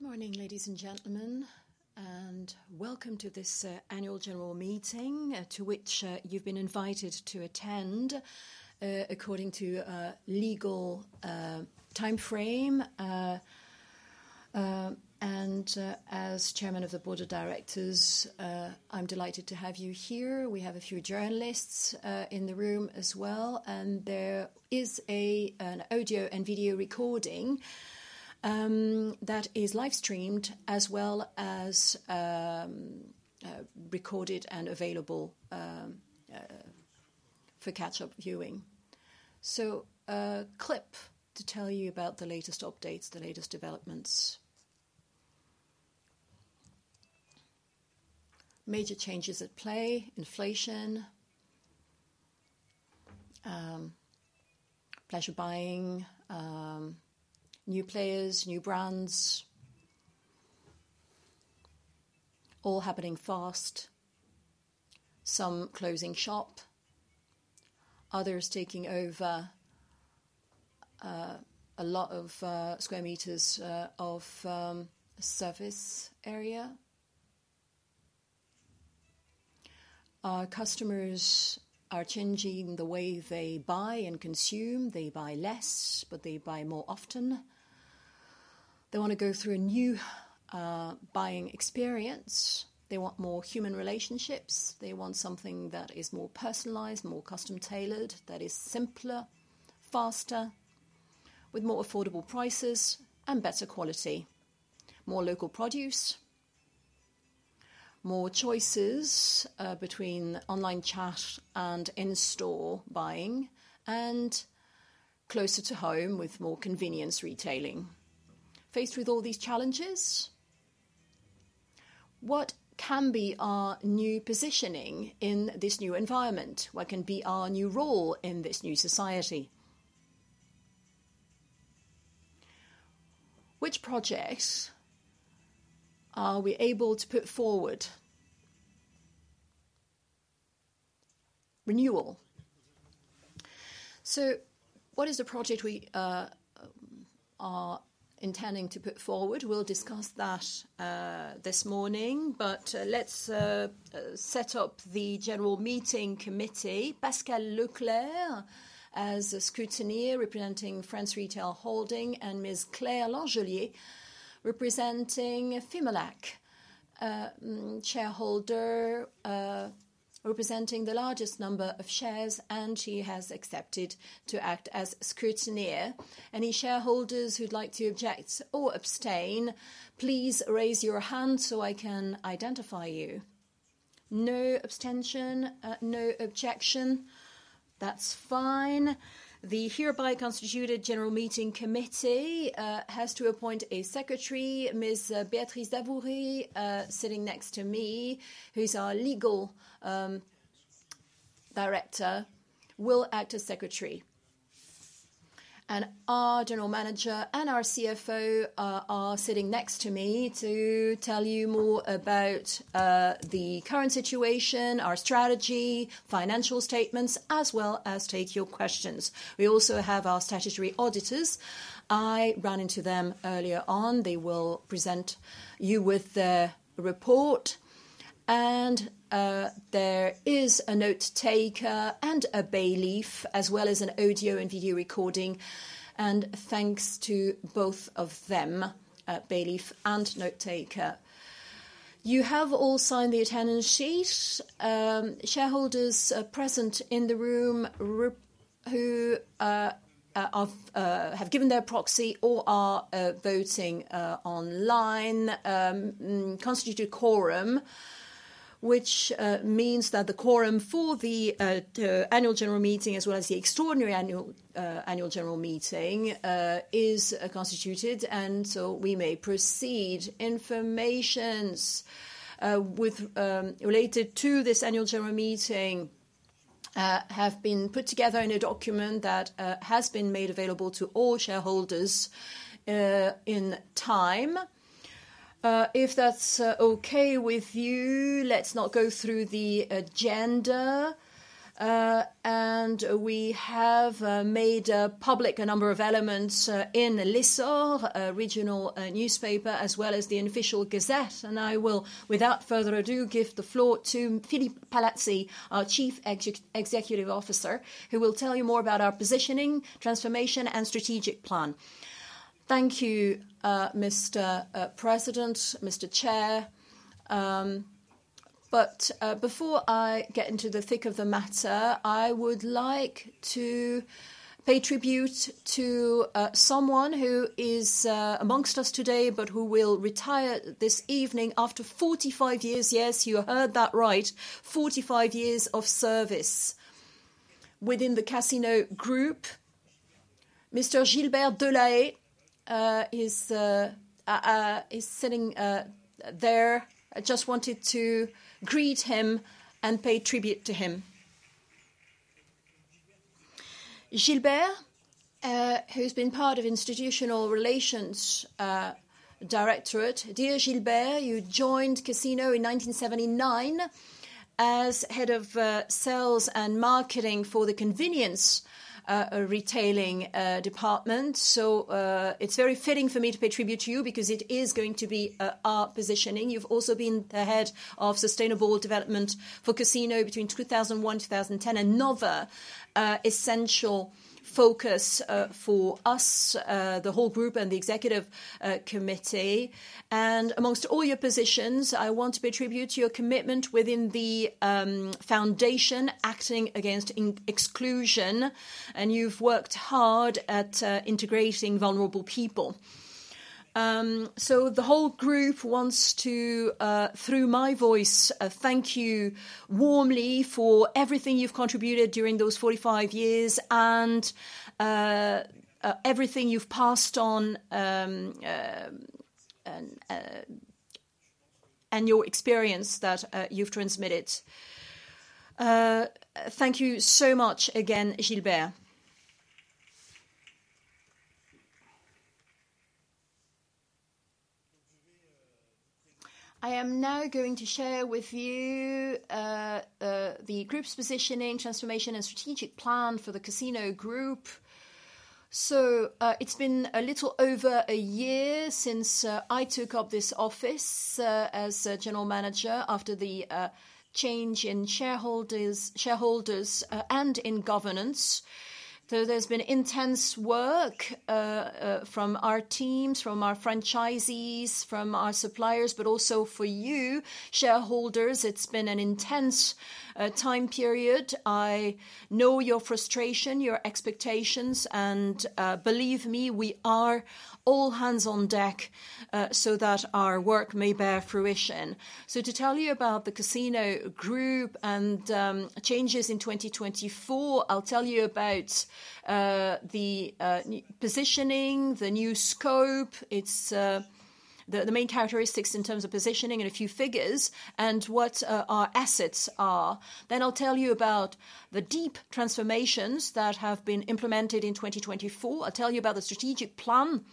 Good morning, ladies and gentlemen, and welcome to this annual general meeting to which you've been invited to attend according to a legal timeframe. As Chairman of the Board of Directors, I'm delighted to have you here. We have a few journalists in the room as well, and there is an audio and video recording that is live-streamed as well as recorded and available for catch-up viewing. A clip to tell you about the latest updates, the latest developments. Major changes at play: inflation, flash buying, new players, new brands, all happening fast. Some closing shop, others taking over a lot of square meters of service area. Our customers are changing the way they buy and consume. They buy less, but they buy more often. They want to go through a new buying experience. They want more human relationships. They want something that is more personalized, more custom-tailored, that is simpler, faster, with more affordable prices and better quality, more local produce, more choices between online chat and in-store buying, and closer to home with more convenience retailing. Faced with all these challenges, what can be our new positioning in this new environment? What can be our new role in this new society? Which projects are we able to put forward? Renewal. What is the project we are intending to put forward? We'll discuss that this morning, but let's set up the general meeting committee. Pascal Leclerc as a scrutineer representing France Retail Holding and Ms. Claire Langelier representing FIMELAC, shareholder representing the largest number of shares, and she has accepted to act as scrutineer. Any shareholders who'd like to object or abstain, please raise your hand so I can identify you. No abstention, no objection. That's fine. The hereby constituted general meeting committee has to appoint a secretary. Ms. Béatrice Davoury, sitting next to me, who's our Legal Director, will act as secretary. Our General Manager and our CFO are sitting next to me to tell you more about the current situation, our strategy, financial statements, as well as take your questions. We also have our statutory auditors. I ran into them earlier on. They will present you with the report. There is a note-taker and a bailiff, as well as an audio and video recording. Thanks to both of them, bailiff and note-taker. You have all signed the attendance sheet. Shareholders present in the room who have given their proxy or are voting online constitute a quorum, which means that the quorum for the annual general meeting, as well as the extraordinary annual general meeting, is constituted. We may proceed. Information related to this annual general meeting have been put together in a document that has been made available to all shareholders in time. If that's okay with you, let's not go through the agenda. We have made public a number of elements in L'Issore, a regional newspaper, as well as the Official Gazette. I will, without further ado, give the floor to Philippe Palazzi, our Chief Executive Officer, who will tell you more about our positioning, transformation, and strategic plan. Thank you, Mr. President, Mr. Chair. Before I get into the thick of the matter, I would like to pay tribute to someone who is amongst us today, but who will retire this evening after 45 years. Yes, you heard that right. 45 years of service within the Casino Group. Mr. Gilbert Delahaye is sitting there. I just wanted to greet him and pay tribute to him. Gilbert, who's been part of the Institutional Relations Directorate. Dear Gilbert, you joined Casino in 1979 as head of sales and marketing for the convenience retailing department. It is very fitting for me to pay tribute to you because it is going to be our positioning. You have also been the head of sustainable development for Casino between 2001 and 2010, another essential focus for us, the whole group and the executive committee. Amongst all your positions, I want to pay tribute to your commitment within the foundation acting against exclusion. You have worked hard at integrating vulnerable people. The whole group wants to, through my voice, thank you warmly for everything you have contributed during those 45 years and everything you have passed on and your experience that you have transmitted. Thank you so much again, Gilbert. I am now going to share with you the group's positioning, transformation, and strategic plan for the Casino Group. It's been a little over a year since I took up this office as General Manager after the change in shareholders and in governance. There's been intense work from our teams, from our franchisees, from our suppliers, but also for you, shareholders. It's been an intense time period. I know your frustration, your expectations, and believe me, we are all hands on deck so that our work may bear fruition. To tell you about the Casino Group and changes in 2024, I'll tell you about the positioning, the new scope, the main characteristics in terms of positioning and a few figures, and what our assets are. I'll tell you about the deep transformations that have been implemented in 2024. I'll tell you about the strategic plan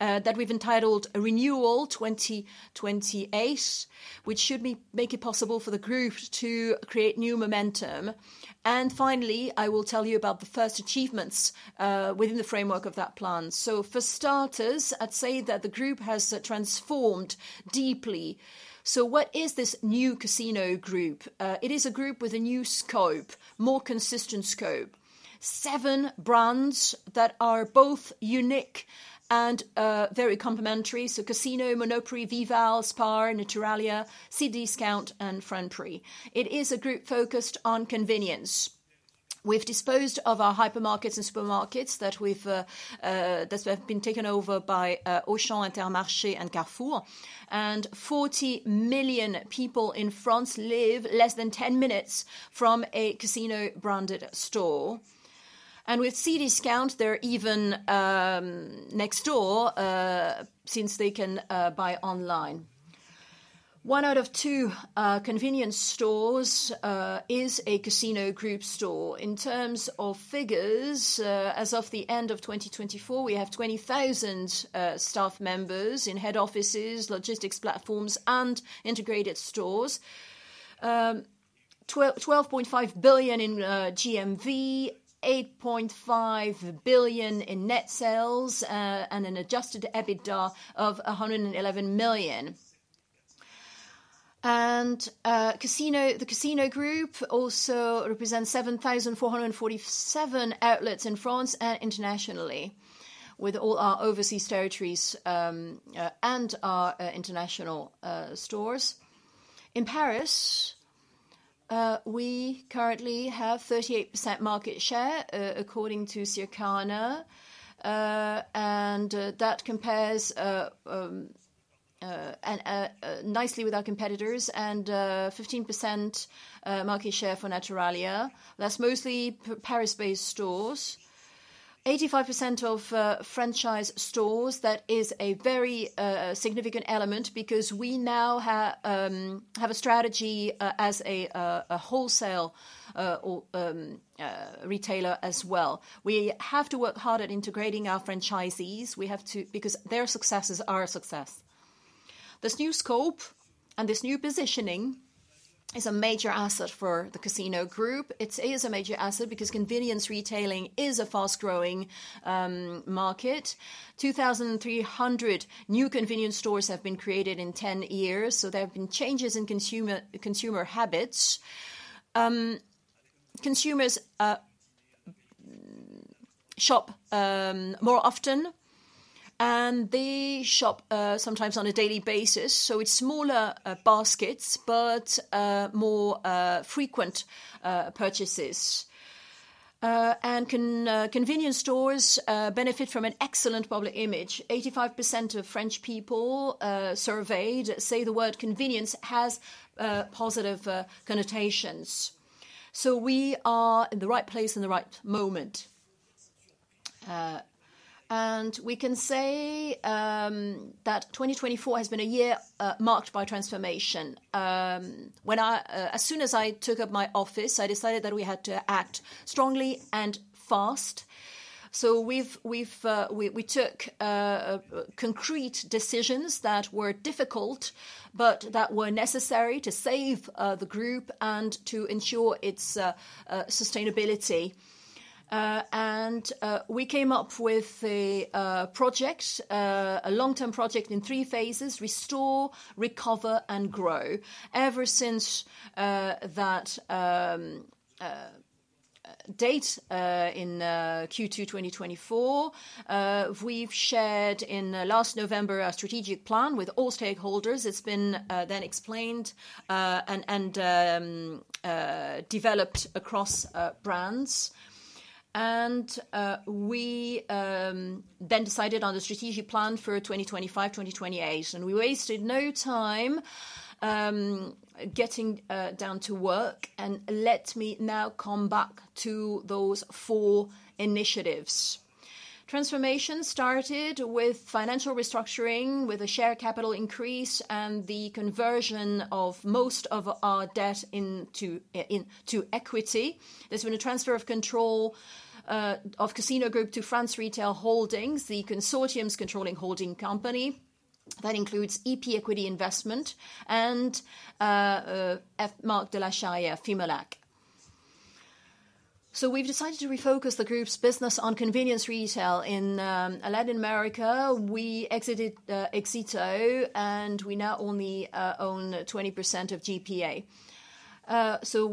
that we've entitled Renewal 2028, which should make it possible for the group to create new momentum. Finally, I will tell you about the first achievements within the framework of that plan. For starters, I'd say that the group has transformed deeply. What is this new Casino Group? It is a group with a new scope, more consistent scope, seven brands that are both unique and very complementary. Casino, Monoprix, Vival, Spar, Naturalia, Cdiscount, and Franprix. It is a group focused on convenience. We've disposed of our hypermarkets and supermarkets that have been taken over by Auchan, Intermarché, and Carrefour. Forty million people in France live less than 10 minutes from a Casino-branded store. With Cdiscount, they're even next door since they can buy online. One out of two convenience stores is a Casino Group store. In terms of figures, as of the end of 2024, we have 20,000 staff members in head offices, logistics platforms, and integrated stores, 12.5 billion in GMV, 8.5 billion in net sales, and an adjusted EBITDA of 111 million. The Casino Group also represents 7,447 outlets in France and internationally, with all our overseas territories and our international stores. In Paris, we currently have 38% market share according to Circana, and that compares nicely with our competitors, and 15% market share for Naturalia. That's mostly Paris-based stores, 85% of franchise stores. That is a very significant element because we now have a strategy as a wholesale retailer as well. We have to work hard at integrating our franchisees because their successes are a success. This new scope and this new positioning is a major asset for the Casino Group. It is a major asset because convenience retailing is a fast-growing market. 2,300 new convenience stores have been created in 10 years, so there have been changes in consumer habits. Consumers shop more often, and they shop sometimes on a daily basis. It is smaller baskets, but more frequent purchases. Convenience stores benefit from an excellent public image. 85% of French people surveyed say the word convenience has positive connotations. We are in the right place in the right moment. We can say that 2024 has been a year marked by transformation. As soon as I took up my office, I decided that we had to act strongly and fast. We took concrete decisions that were difficult, but that were necessary to save the group and to ensure its sustainability. We came up with a project, a long-term project in three phases: restore, recover, and grow. Ever since that date in Q2 2024, we have shared in last November our strategic plan with all stakeholders. It has been then explained and developed across brands. We then decided on the strategic plan for 2025-2028. We wasted no time getting down to work. Let me now come back to those four initiatives. Transformation started with financial restructuring, with a share capital increase, and the conversion of most of our debt into equity. There has been a transfer of control of Casino Group to France Retail Holding, the consortium's controlling holding company. That includes EP Equity Investment and Marc de la Chaille, FIMELAC. We have decided to refocus the group's business on convenience retail in Latin America. We exited Exito, and we now only own 20% of GPA.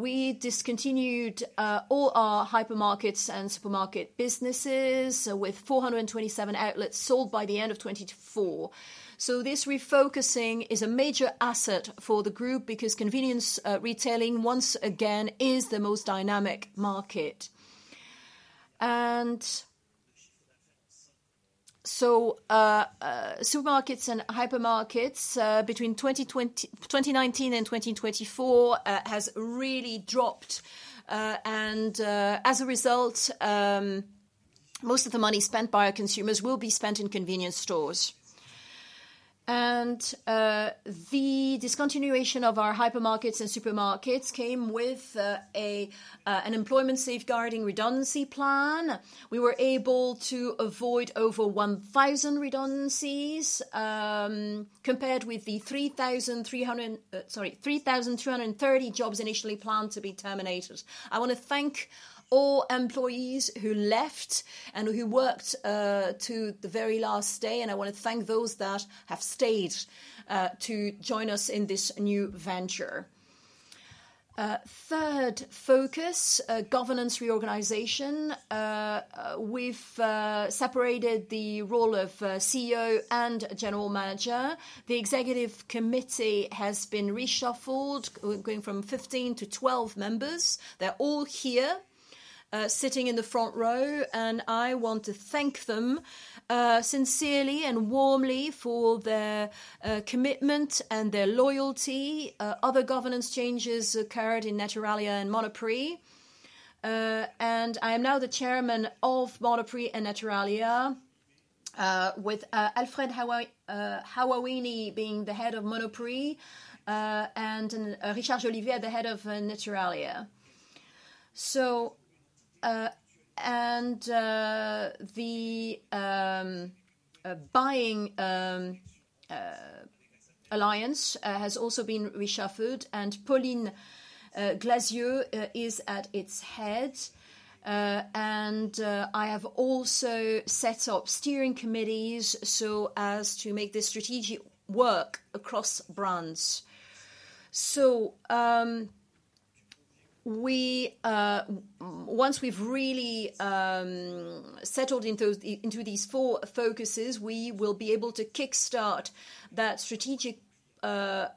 We discontinued all our hypermarkets and supermarket businesses with 427 outlets sold by the end of 2024. This refocusing is a major asset for the group because convenience retailing, once again, is the most dynamic market. Supermarkets and hypermarkets between 2019 and 2024 have really dropped. As a result, most of the money spent by our consumers will be spent in convenience stores. The discontinuation of our hypermarkets and supermarkets came with an employment-safeguarding redundancy plan. We were able to avoid over 1,000 redundancies compared with the 3,330 jobs initially planned to be terminated. I want to thank all employees who left and who worked to the very last day. I want to thank those that have stayed to join us in this new venture. Third focus, governance reorganization. We've separated the role of CEO and general manager. The executive committee has been reshuffled, going from 15 to 12 members. They're all here sitting in the front row. I want to thank them sincerely and warmly for their commitment and their loyalty. Other governance changes occurred in Naturalia and Monoprix. I am now the Chairman of Monoprix and Naturalia, with Alfred Hawaini being the head of Monoprix and Richard Jolivier the head of Naturalia. The buying alliance has also been reshuffled. Pauline Glasieu is at its head. I have also set up steering committees so as to make this strategic work across brands. Once we've really settled into these four focuses, we will be able to kickstart that strategic plan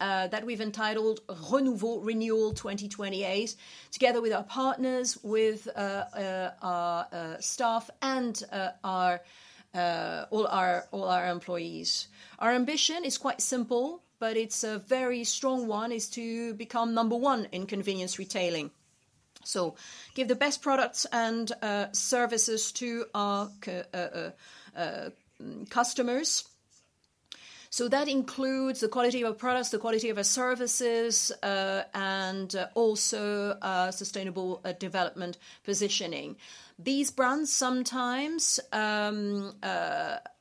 that we've entitled Renewal 2028 together with our partners, with our staff, and all our employees. Our ambition is quite simple, but it's a very strong one: to become number one in convenience retailing. To give the best products and services to our customers. That includes the quality of our products, the quality of our services, and also sustainable development positioning. These brands sometimes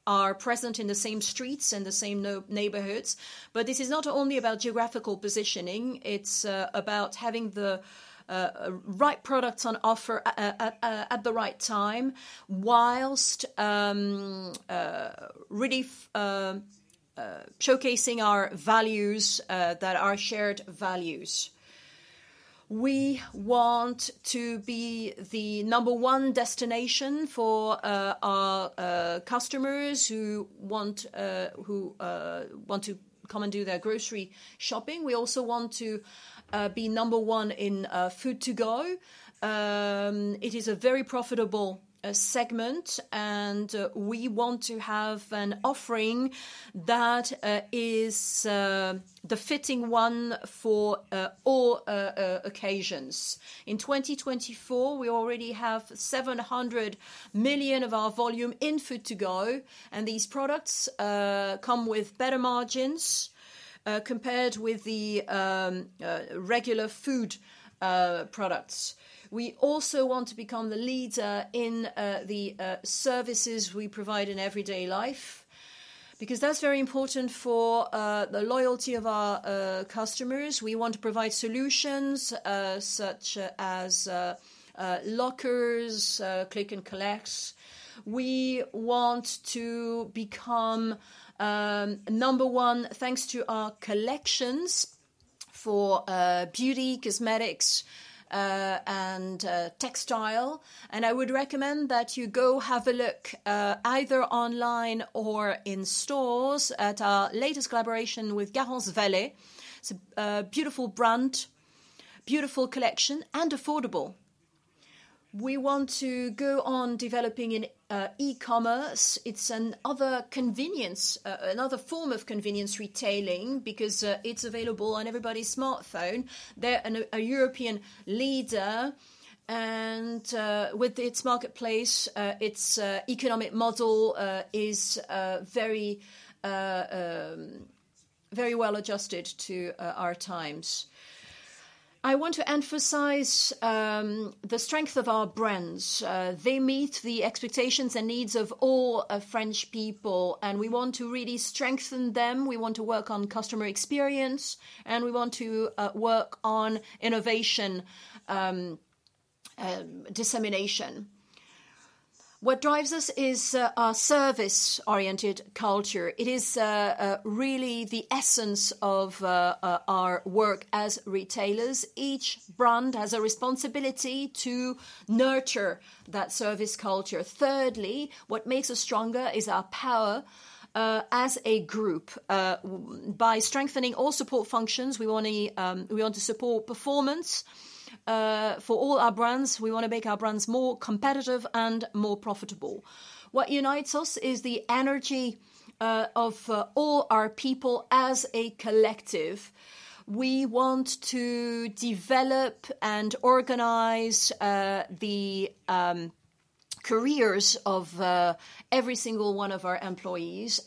are present in the same streets and the same neighborhoods. This is not only about geographical positioning. It's about having the right products on offer at the right time whilst really showcasing our values, that are shared values. We want to be the number one destination for our customers who want to come and do their grocery shopping. We also want to be number one in food to go. It is a very profitable segment. We want to have an offering that is the fitting one for all occasions. In 2024, we already have 700 million of our volume in food to go. These products come with better margins compared with the regular food products. We also want to become the leader in the services we provide in everyday life because that's very important for the loyalty of our customers. We want to provide solutions such as lockers, click and collects. We want to become number one thanks to our collections for beauty, cosmetics, and textile. I would recommend that you go have a look either online or in stores at our latest collaboration with Garance Valet. It's a beautiful brand, beautiful collection, and affordable. We want to go on developing e-commerce. It's another form of convenience retailing because it's available on everybody's smartphone. They are a European leader. With its marketplace, its economic model is very well adjusted to our times. I want to emphasize the strength of our brands. They meet the expectations and needs of all French people. We want to really strengthen them. We want to work on customer experience. We want to work on innovation dissemination. What drives us is our service-oriented culture. It is really the essence of our work as retailers. Each brand has a responsibility to nurture that service culture. Thirdly, what makes us stronger is our power as a group. By strengthening all support functions, we want to support performance for all our brands. We want to make our brands more competitive and more profitable. What unites us is the energy of all our people as a collective. We want to develop and organize the careers of every single one of our employees.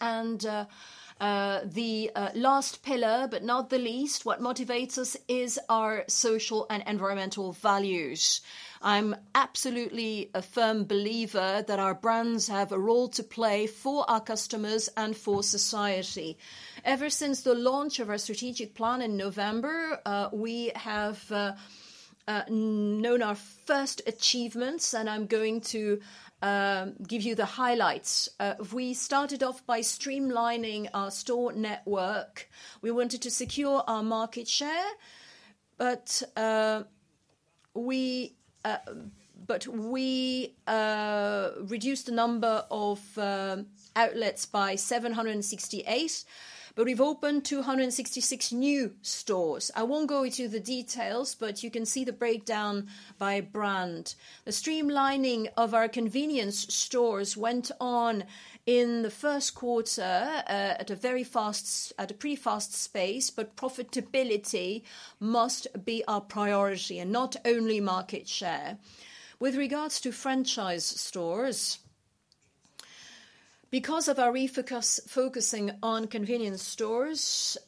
The last pillar, but not the least, what motivates us is our social and environmental values. I'm absolutely a firm believer that our brands have a role to play for our customers and for society. Ever since the launch of our strategic plan in November, we have known our first achievements. I'm going to give you the highlights. We started off by streamlining our store network. We wanted to secure our market share. We reduced the number of outlets by 768. We've opened 266 new stores. I won't go into the details, but you can see the breakdown by brand. The streamlining of our convenience stores went on in the first quarter at a pretty fast pace. Profitability must be our priority, and not only market share. With regards to franchise stores, because of our focusing on convenience stores,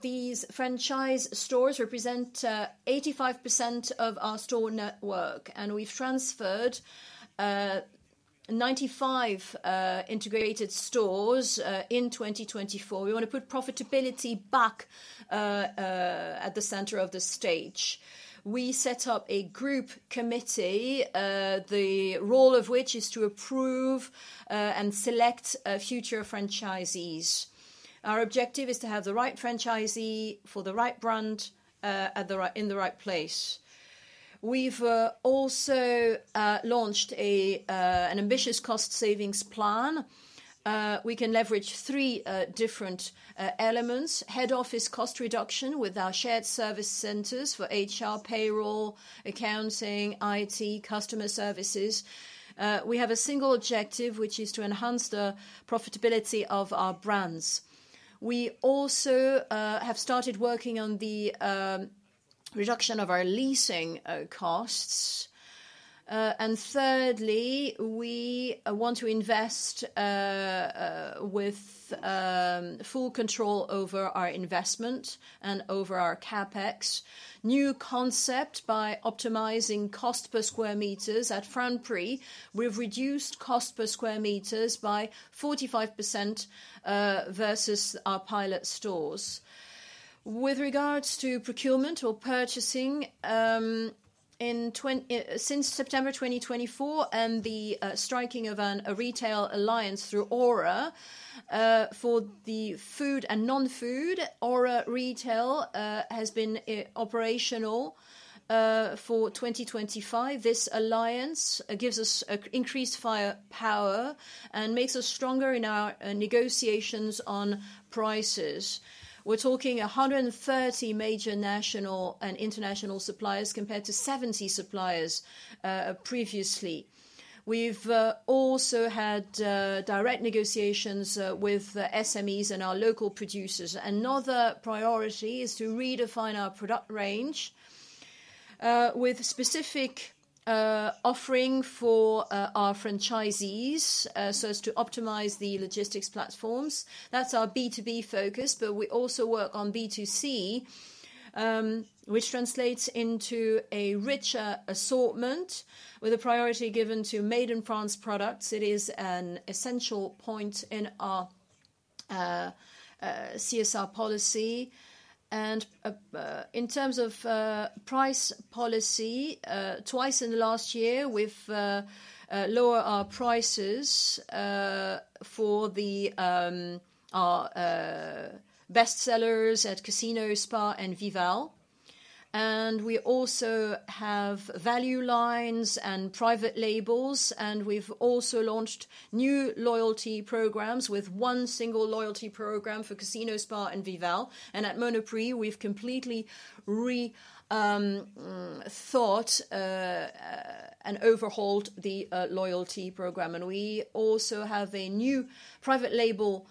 these franchise stores represent 85% of our store network. We've transferred 95 integrated stores in 2024. We want to put profitability back at the center of the stage. We set up a group committee, the role of which is to approve and select future franchisees. Our objective is to have the right franchisee for the right brand in the right place. We've also launched an ambitious cost savings plan. We can leverage three different elements: head office cost reduction with our shared service centers for HR, payroll, accounting, IT, customer services. We have a single objective, which is to enhance the profitability of our brands. We also have started working on the reduction of our leasing costs. Thirdly, we want to invest with full control over our investment and over our CapEx. New concept by optimizing cost per square meters. At Franprix, we've reduced cost per square meters by 45% versus our pilot stores. With regards to procurement or purchasing, since September 2024 and the striking of a retail alliance through Aura for the food and non-food, Aura Retail has been operational for 2025. This alliance gives us increased firepower and makes us stronger in our negotiations on prices. We're talking 130 major national and international suppliers compared to 70 suppliers previously. We've also had direct negotiations with SMEs and our local producers. Another priority is to redefine our product range with specific offering for our franchisees so as to optimize the logistics platforms. That's our B2B focus. We also work on B2C, which translates into a richer assortment with a priority given to made-in-France products. It is an essential point in our CSR policy. In terms of price policy, twice in the last year, we've lowered our prices for our best sellers at Casino, Spar, and Vival. We also have value lines and private labels. We've also launched new loyalty programs with one single loyalty program for Casino, Spar, and Vival. At Monoprix, we've completely thought and overhauled the loyalty program. We also have a new private label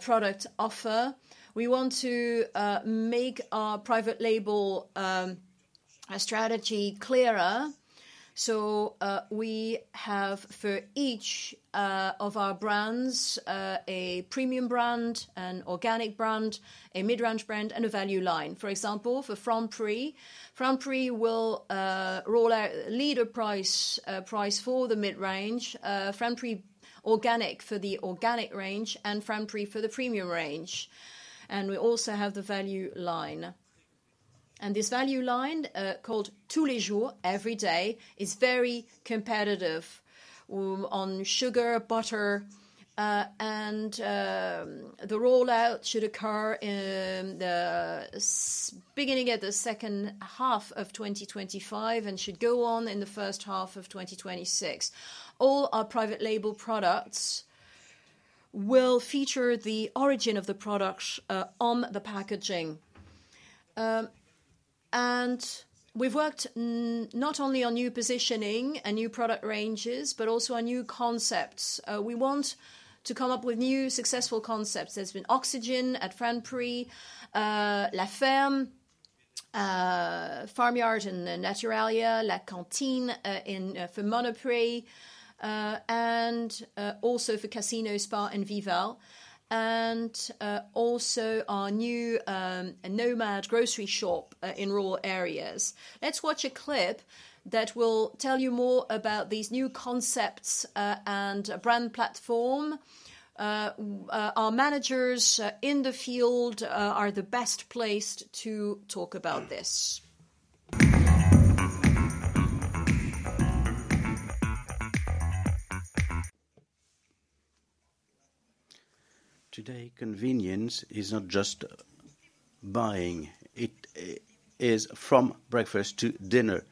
product offer. We want to make our private label strategy clearer. We have, for each of our brands, a premium brand, an organic brand, a mid-range brand, and a value line. For example, for Franprix, Franprix will roll out Leader Price for the mid-range, Franprix Organic for the organic range, and Franprix for the premium range. We also have the value line. This value line, called Tous les Jours, every day, is very competitive on sugar, butter. The rollout should occur beginning at the second half of 2025 and should go on in the first half of 2026. All our private label products will feature the origin of the products on the packaging. We have worked not only on new positioning and new product ranges, but also on new concepts. We want to come up with new successful concepts. There has been Oxygen at Franprix, La Ferme, Farmyard in Naturalia, La Cantine for Monoprix, and also for Casino, Spar, and Vival. Also our new Nomad grocery shop in rural areas. Let's watch a clip that will tell you more about these new concepts and brand platform. Our managers in the field are the best placed to talk about this. Today, convenience is not just buying. It is from breakfast to dinner,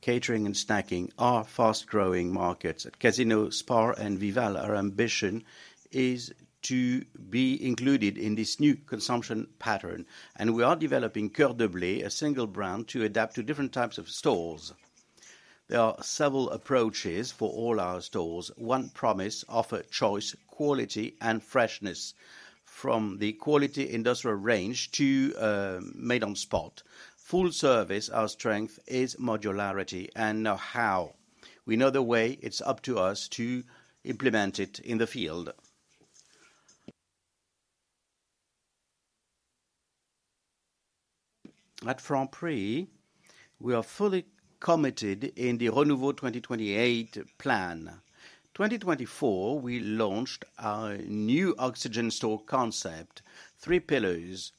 catering, and snacking are fast-growing markets. At Casino, Spar, and Vival, our ambition is to be included in this new consumption pattern. We are developing Coeur de Blé, a single brand, to adapt to different types of stores. There are several approaches for all our stores. One promise: offer choice, quality, and freshness from the quality industrial range to made on spot. Full service, our strength, is modularity and know-how. We know the way. It is up to us to implement it in the field. At Franprix, we are fully committed in the Renouveau 2028 plan. In 2024, we launched our new Oxygen store concept, Three Pillars.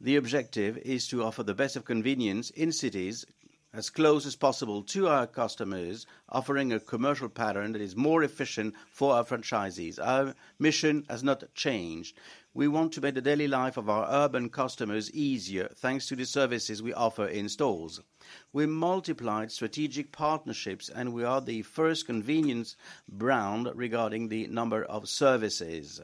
The objective is to offer the best of convenience in cities as close as possible to our customers, offering a commercial pattern that is more efficient for our franchisees. Our mission has not changed. We want to make the daily life of our urban customers easier thanks to the services we offer in stores. We multiplied strategic partnerships, and we are the first convenience brand regarding the number of services.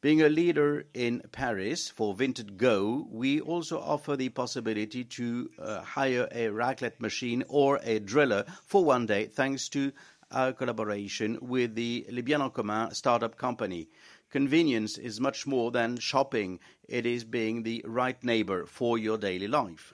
Being a leader in Paris for Vinted Go, we also offer the possibility to hire a raclette machine or a driller for one day thanks to our collaboration with the Libyen En Commun startup company. Convenience is much more than shopping. It is being the right neighbor for your daily life.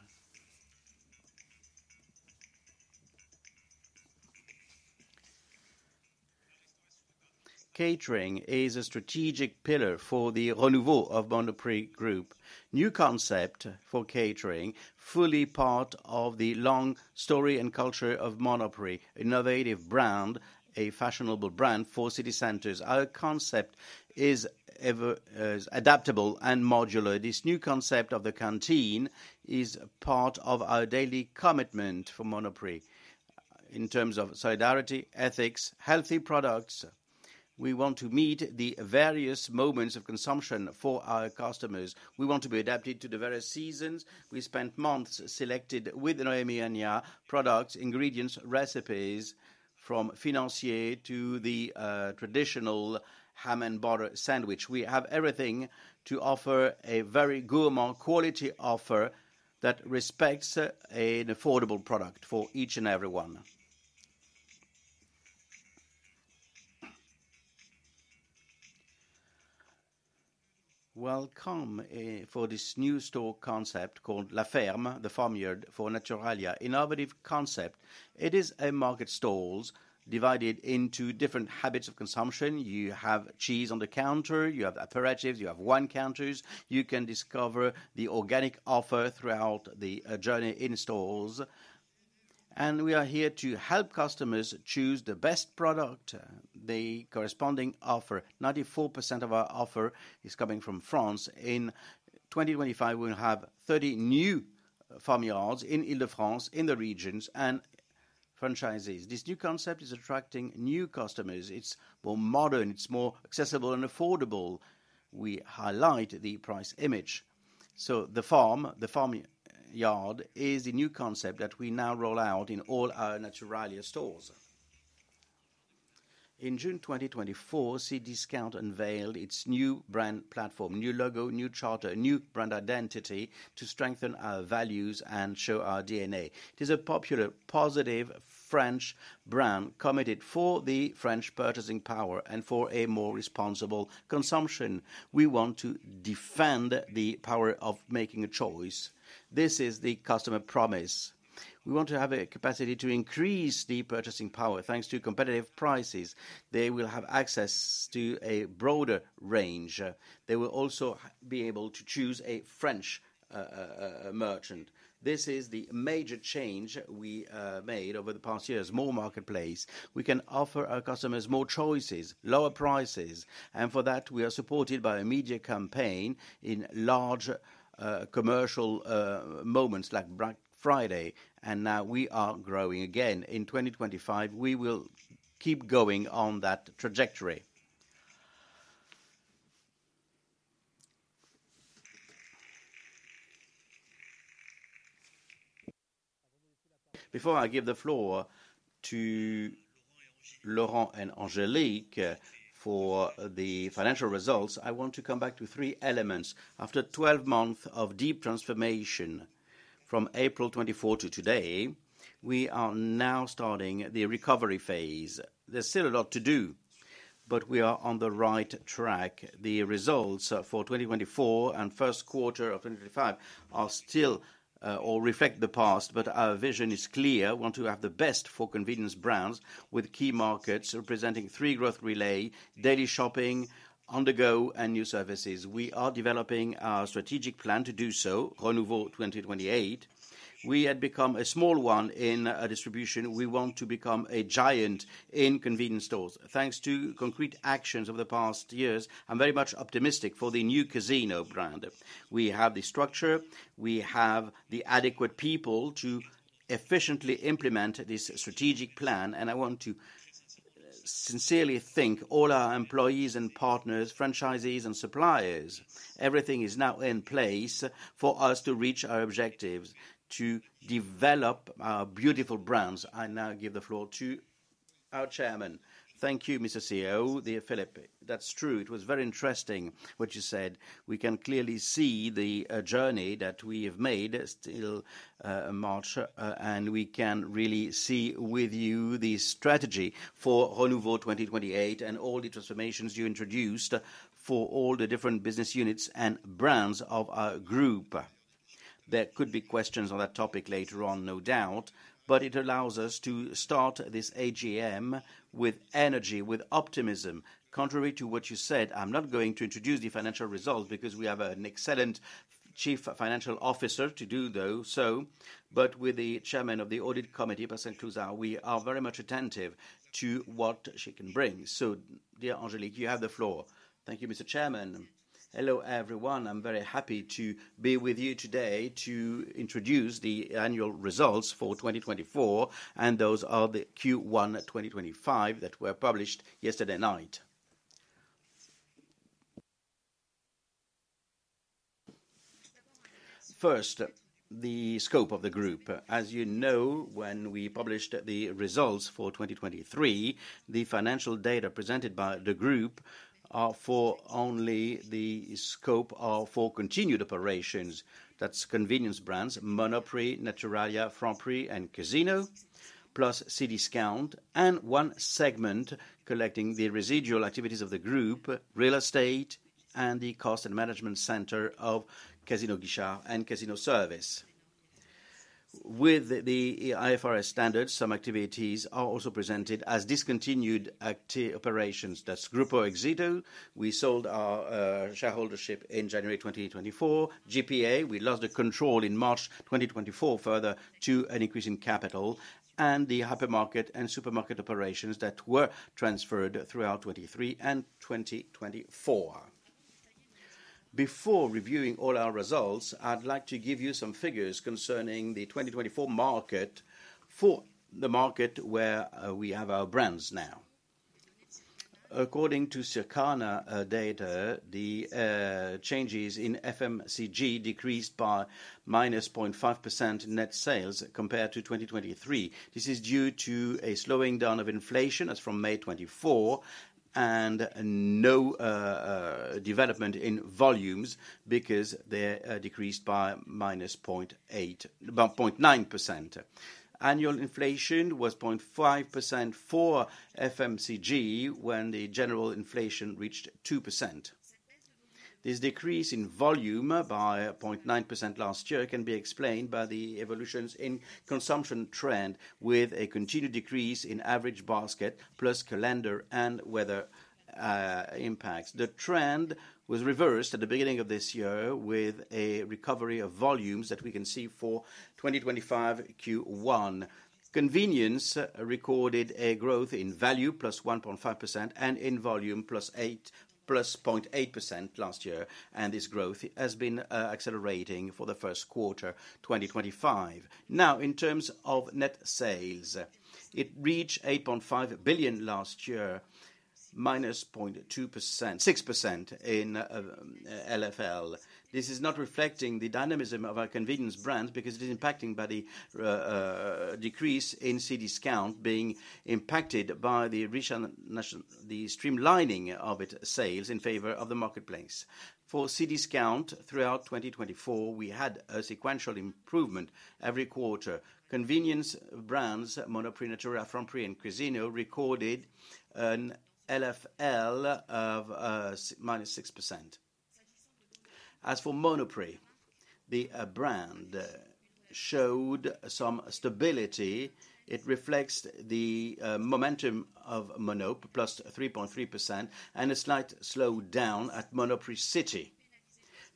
Catering is a strategic pillar for the Renouveau of Monoprix Group. New concept for catering, fully part of the long story and culture of Monoprix, innovative brand, a fashionable brand for city centers. Our concept is adaptable and modular. This new concept of the Cantine is part of our daily commitment for Monoprix in terms of solidarity, ethics, healthy products. We want to meet the various moments of consumption for our customers. We want to be adapted to the various seasons. We spent months selected with Noémie Aignard products, ingredients, recipes from financier to the traditional ham and butter sandwich. We have everything to offer a very gourmand quality offer that respects an affordable product for each and everyone. Welcome for this new store concept called La Ferme, the farmyard for Naturalia, innovative concept. It is a market stalls divided into different habits of consumption. You have cheese on the counter. You have aperitifs. You have wine counters. You can discover the organic offer throughout the journey in stores. We are here to help customers choose the best product, the corresponding offer. 94% of our offer is coming from France. In 2025, we will have 30 new farmyards in Île-de-France, in the regions, and franchisees. This new concept is attracting new customers. It's more modern. It's more accessible and affordable. We highlight the price image. The farm, the farmyard is the new concept that we now roll out in all our Naturalia stores. In June 2024, Cdiscount unveiled its new brand platform, new logo, new charter, new brand identity to strengthen our values and show our DNA. It is a popular, positive French brand committed for the French purchasing power and for a more responsible consumption. We want to defend the power of making a choice. This is the customer promise. We want to have a capacity to increase the purchasing power thanks to competitive prices. They will have access to a broader range. They will also be able to choose a French merchant. This is the major change we made over the past years, more marketplace. We can offer our customers more choices, lower prices. For that, we are supported by a media campaign in large commercial moments like Black Friday. Now we are growing again. In 2025, we will keep going on that trajectory. Before I give the floor to Laurent and Angélique for the financial results, I want to come back to three elements. After 12 months of deep transformation from April 24 to today, we are now starting the recovery phase. There is still a lot to do, but we are on the right track. The results for 2024 and first quarter of 2025 are still or reflect the past, but our vision is clear. We want to have the best for convenience brands with key markets representing three growth relay: daily shopping, undergo, and new services. We are developing our strategic plan to do so, Renouveau 2028. We had become a small one in distribution. We want to become a giant in convenience stores. Thanks to concrete actions over the past years, I'm very much optimistic for the new Casino brand. We have the structure. We have the adequate people to efficiently implement this strategic plan. I want to sincerely thank all our employees and partners, franchisees, and suppliers. Everything is now in place for us to reach our objectives, to develop our beautiful brands. I now give the floor to our Chairman. Thank you, Mr. CEO de Philippe That's true. It was very interesting what you said. We can clearly see the journey that we have made still in March, and we can really see with you the strategy for Renouveau 2028 and all the transformations you introduced for all the different business units and brands of our group. There could be questions on that topic later on, no doubt, but it allows us to start this AGM with energy, with optimism. Contrary to what you said, I'm not going to introduce the financial results because we have an excellent Chief Financial Officer to do so. With the Chairman of the Audit Committee, Pascal Clouzard, we are very much attentive to what she can bring. Dear Angélique, you have the floor. Thank you, Mr. Chairman. Hello, everyone. I'm very happy to be with you today to introduce the annual results for 2024. Those are the Q1 2025 that were published yesterday night. First, the scope of the group. As you know, when we published the results for 2023, the financial data presented by the group are for only the scope of four continued operations. That's convenience brands, Monoprix, Naturalia, Franprix, and Casino, plus Cdiscount, and one segment collecting the residual activities of the group, real estate, and the cost and management center of Casino Guichard and Casino Service. With the IFRS standards, some activities are also presented as discontinued operations. That's Exito. We sold our shareholdership in January 2024. GPA, we lost the control in March 2024 further to an increase in capital, and the hypermarket and supermarket operations that were transferred throughout 2023 and 2024. Before reviewing all our results, I'd like to give you some figures concerning the 2024 market for the market where we have our brands now. According to Circana data, the changes in FMCG decreased by -0.5% net sales compared to 2023. This is due to a slowing down of inflation as from May 24 and no development in volumes because they decreased by -0.9%. Annual inflation was 0.5% for FMCG when the general inflation reached 2%. This decrease in volume by 0.9% last year can be explained by the evolutions in consumption trend with a continued decrease in average basket plus calendar and weather impacts. The trend was reversed at the beginning of this year with a recovery of volumes that we can see for 2025 Q1. Convenience recorded a growth in value plus 1.5% and in volume plus 0.8% last year. This growth has been accelerating for the first quarter 2025. Now, in terms of net sales, it reached 8.5 billion last year, minus 0.2%, 6% in LFL. This is not reflecting the dynamism of our convenience brands because it is impacted by the decrease in Cdiscount being impacted by the streamlining of its sales in favor of the marketplace. For Cdiscount, throughout 2024, we had a sequential improvement every quarter. Convenience brands, Monoprix, Naturalia, Franprix, and Casino recorded an LFL of minus 6%. As for Monoprix, the brand showed some stability. It reflects the momentum of Monop, +3.3%, and a slight slowdown at Monoprix City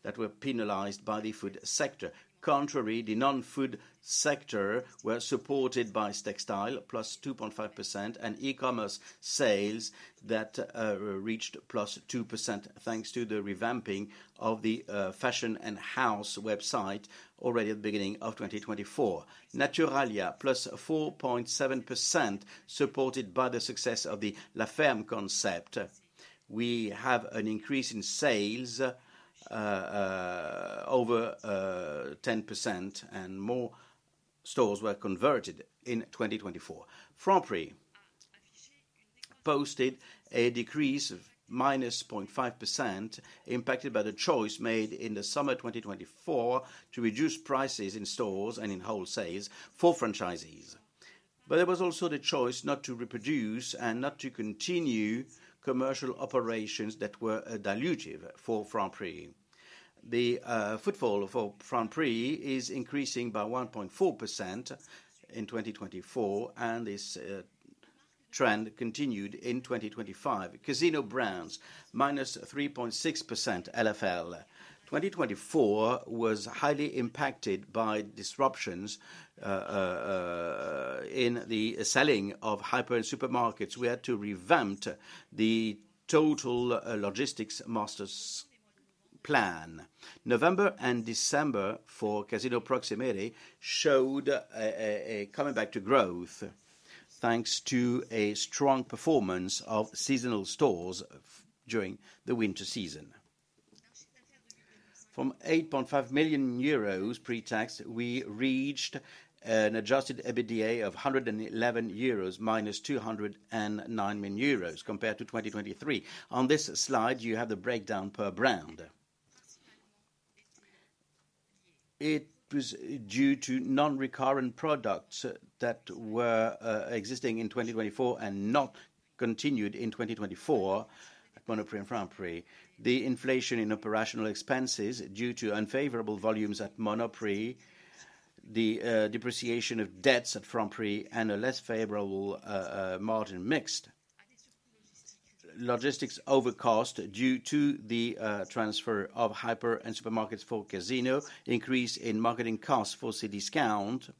that were penalized by the food sector. Contrary, the non-food sector was supported by textile, +2.5%, and e-commerce sales that reached +2% thanks to the revamping of the fashion and house website already at the beginning of 2024. Naturalia, +4.7%, supported by the success of the La Ferme concept. We have an increase in sales over 10% and more stores were converted in 2024. Franprix posted a decrease of -0.5% impacted by the choice made in the summer 2024 to reduce prices in stores and in wholesales for franchisees. There was also the choice not to reproduce and not to continue commercial operations that were dilutive for Franprix. The footfall for Franprix is increasing by 1.4% in 2024, and this trend continued in 2025. Casino brands minus 3.6% LFL. 2024 was highly impacted by disruptions in the selling of hyper and supermarkets. We had to revamp the total logistics master's plan. November and December for Casino Proximité showed a comeback to growth thanks to a strong performance of seasonal stores during the winter season. From 8.5 million euros pre-tax, we reached an adjusted EBITDA of 111 million euros minus 209 million euros compared to 2023. On this slide, you have the breakdown per brand. It was due to non-recurrent products that were existing in 2024 and not continued in 2024 at Monoprix and Franprix. The inflation in operational expenses due to unfavorable volumes at Monoprix, the depreciation of debts at Franprix, and a less favorable margin mixed. Logistics overcost due to the transfer of hyper and supermarkets for Casino, increase in marketing costs for Cdiscount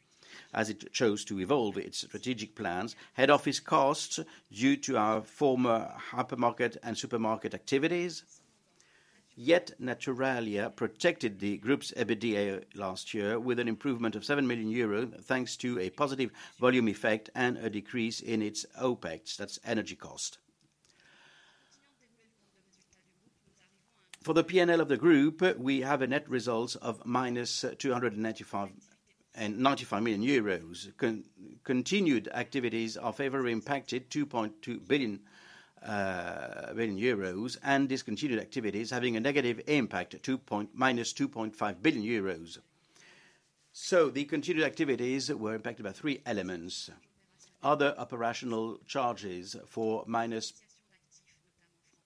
as it chose to evolve its strategic plans, head office costs due to our former hypermarket and supermarket activities. Yet Naturalia protected the group's EBITDA last year with an improvement of 7 million euro thanks to a positive volume effect and a decrease in its OPEX, that's energy cost. For the P&L of the group, we have a net result of minus 295 million euros. Continued activities are favorably impacted 2.2 billion euros, and discontinued activities having a negative impact minus 2.5 billion euros. The continued activities were impacted by three elements. Other operational charges for minus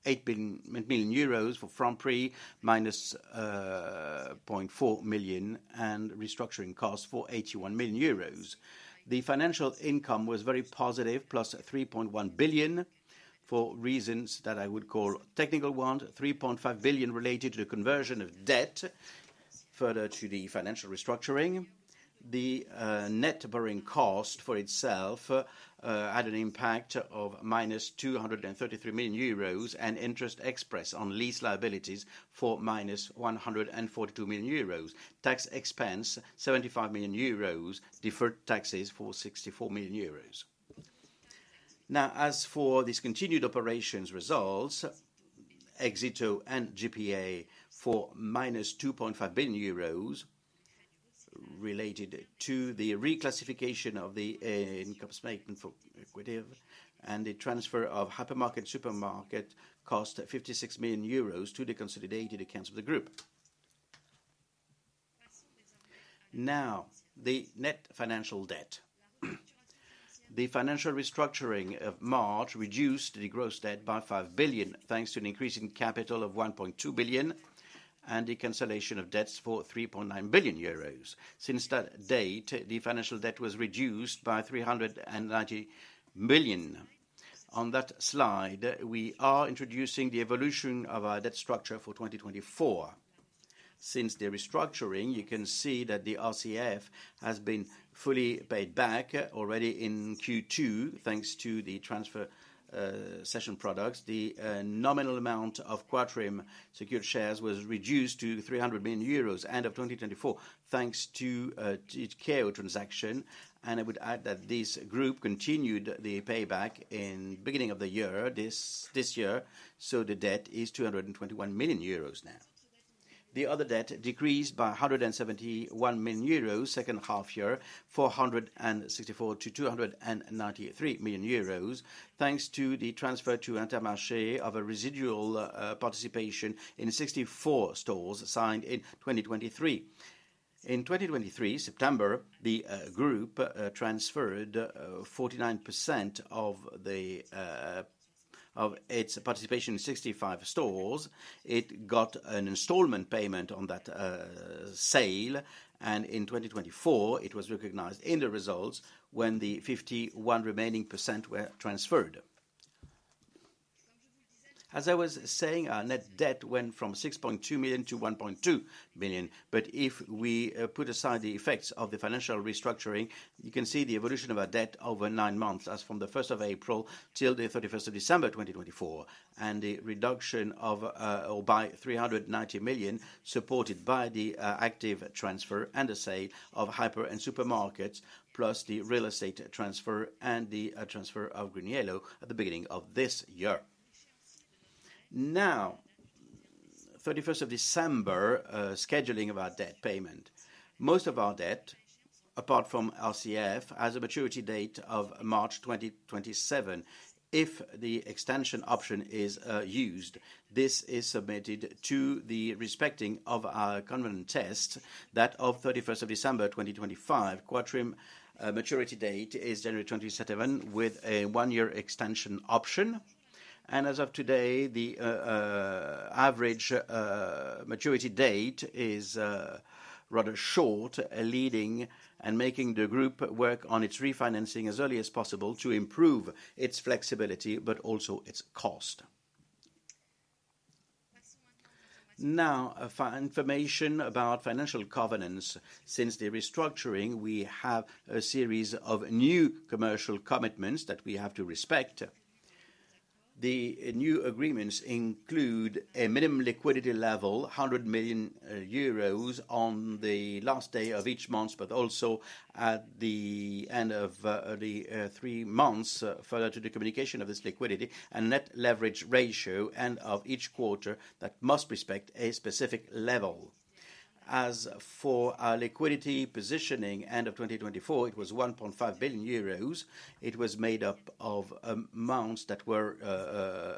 8 million euros for Franprix, minus 0.4 million, and restructuring costs for 81 million euros. The financial income was very positive, plus 3.1 billion for reasons that I would call technical ones, 3.5 billion related to the conversion of debt further to the financial restructuring. The net borrowing cost for itself had an impact of minus 233 million euros and interest expense on lease liabilities for minus 142 million euros. Tax expense, 75 million euros, deferred taxes for 64 million euros. Now, as for discontinued operations results, Exito and GPA for minus 2.5 billion euros related to the reclassification of the income statement for equity and the transfer of hypermarket and supermarket costs at 56 million euros to the consolidated accounts of the group. Now, the net financial debt. The financial restructuring of March reduced the gross debt by 5 billion thanks to an increase in capital of 1.2 billion and the cancellation of debts for 3.9 billion euros. Since that date, the financial debt was reduced by 390 million. On that slide, we are introducing the evolution of our debt structure for 2024. Since the restructuring, you can see that the RCF has been fully paid back already in Q2 thanks to the transfer session products. The nominal amount of Quatrim secured shares was reduced to 300 million euros end of 2024 thanks to its CAO transaction. I would add that this group continued the payback in the beginning of the year this year. The debt is 221 million euros now. The other debt decreased by 171 million euros second half year, 464 million to 293 million euros thanks to the transfer to Intermarché of a residual participation in 64 stores signed in 2023. In 2023, September, the group transferred 49% of its participation in 65 stores. It got an installment payment on that sale. In 2024, it was recognized in the results when the 51 remaining % were transferred. As I was saying, our net debt went from 6.2 million to 1.2 million. If we put aside the effects of the financial restructuring, you can see the evolution of our debt over nine months as from the 1st of April till the 31st of December 2024, and the reduction of by 390 million supported by the active transfer and the sale of hyper and supermarkets, plus the real estate transfer and the transfer of Green Yellow at the beginning of this year. Now, 31st of December, scheduling of our debt payment. Most of our debt, apart from RCF, has a maturity date of March 2027. If the extension option is used, this is submitted to the respecting of our convenient test that of 31st of December 2025. Quatrim maturity date is January 27 with a one-year extension option. As of today, the average maturity date is rather short, leading and making the group work on its refinancing as early as possible to improve its flexibility, but also its cost. Now, information about financial covenants. Since the restructuring, we have a series of new commercial commitments that we have to respect. The new agreements include a minimum liquidity level, 100 million euros on the last day of each month, but also at the end of the three months further to the communication of this liquidity, a net leverage ratio end of each quarter that must respect a specific level. As for our liquidity positioning, end of 2024, it was 1.5 billion euros. It was made up of amounts that were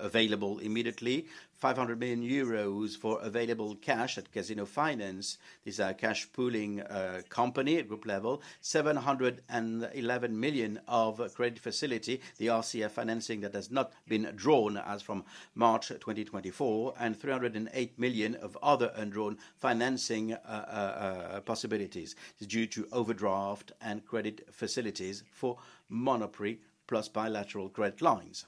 available immediately, 500 million euros for available cash at Casino Finance. This is our cash pooling company at group level, 711 million of credit facility, the RCF financing that has not been drawn as from March 2024, and 308 million of other undrawn financing possibilities due to overdraft and credit facilities for Monoprix plus bilateral credit lines.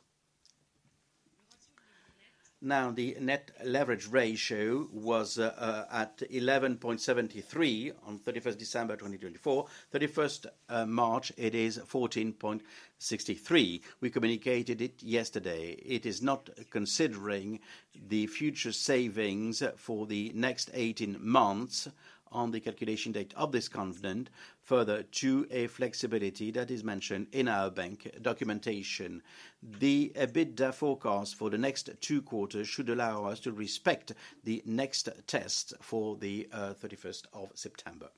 Now, the net leverage ratio was at 11.73 on 31st December 2024. 31st March, it is 14.63. We communicated it yesterday. It is not considering the future savings for the next 18 months on the calculation date of this covenant further to a flexibility that is mentioned in our bank documentation. The EBITDA forecast for the next two quarters should allow us to respect the next test for the 31st of September.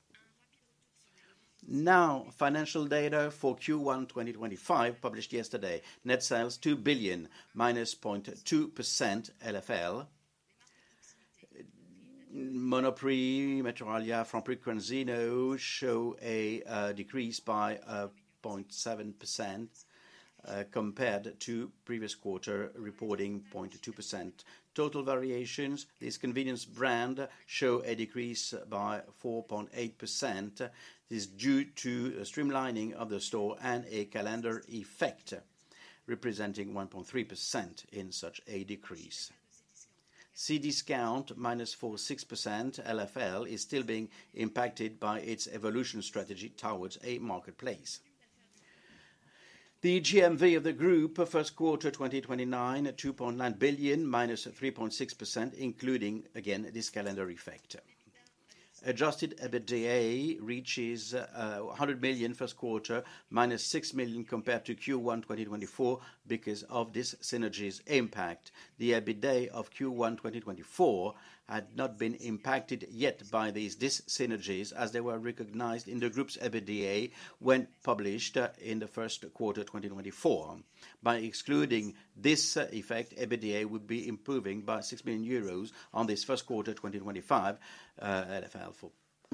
Now, financial data for Q1 2025 published yesterday. Net sales 2 billion, minus 0.2% LFL. Monoprix, Naturalia, Franprix, Casino show a decrease by 0.7% compared to previous quarter reporting 0.2%. Total variations, these convenience brands show a decrease by 4.8%. This is due to streamlining of the store and a calendar effect representing 1.3% in such a decrease. Cdiscount, minus 4.6% LFL, is still being impacted by its evolution strategy towards a marketplace. The GMV of the group, first quarter 2029, 2.9 billion, minus 3.6%, including again this calendar effect. Adjusted EBITDA reaches 100 million first quarter, minus 6 million compared to Q1 2024 because of this synergies impact. The EBITDA of Q1 2024 had not been impacted yet by these synergies as they were recognized in the group's EBITDA when published in the first quarter 2024. By excluding this effect, EBITDA would be improving by 6 million euros on this first quarter 2025 LFL for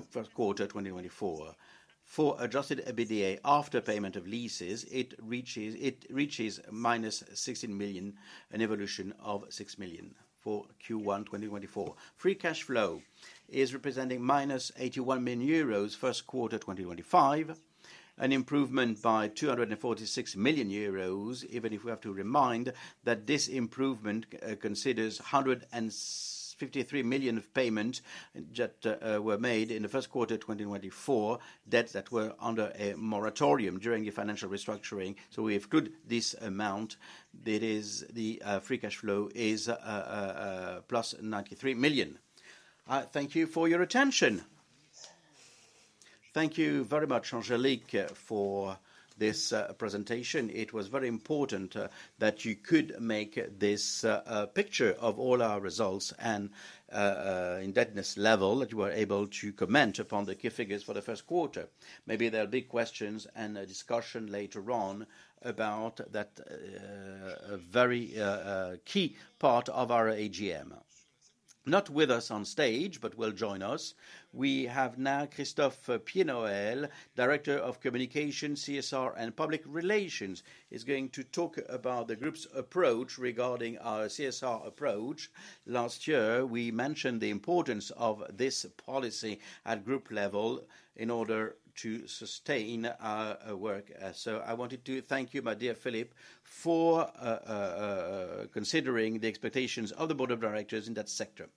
first quarter 2024. For adjusted EBITDA after payment of leases, it reaches minus 16 million and evolution of 6 million for Q1 2024. Free cash flow is representing minus 81 million euros first quarter 2025, an improvement by 246 million euros, even if we have to remind that this improvement considers 153 million of payments that were made in the first quarter 2024, debts that were under a moratorium during the financial restructuring. If we exclude this amount, the free cash flow is plus 93 million. Thank you for your attention. Thank you very much, Angélique, for this presentation. It was very important that you could make this picture of all our results and indebtedness level that you were able to comment upon the key figures for the first quarter. Maybe there are big questions and discussion later on about that very key part of our AGM. Not with us on stage, but will join us. We have now Christophe Piennoel, Director of Communication, CSR, and Public Relations, is going to talk about the group's approach regarding our CSR approach. Last year, we mentioned the importance of this policy at group level in order to sustain our work. I wanted to thank you, my dear Philippe, for considering the expectations of the board of directors in that sector.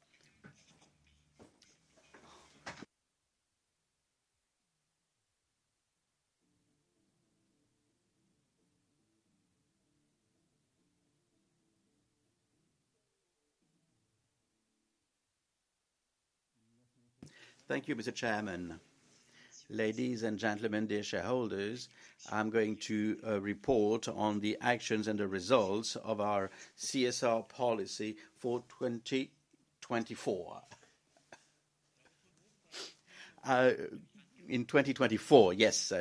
Thank you, Mr. Chairman. Ladies and gentlemen, dear shareholders, I am going to report on the actions and the results of our CSR policy for 2024. In 2024, yes.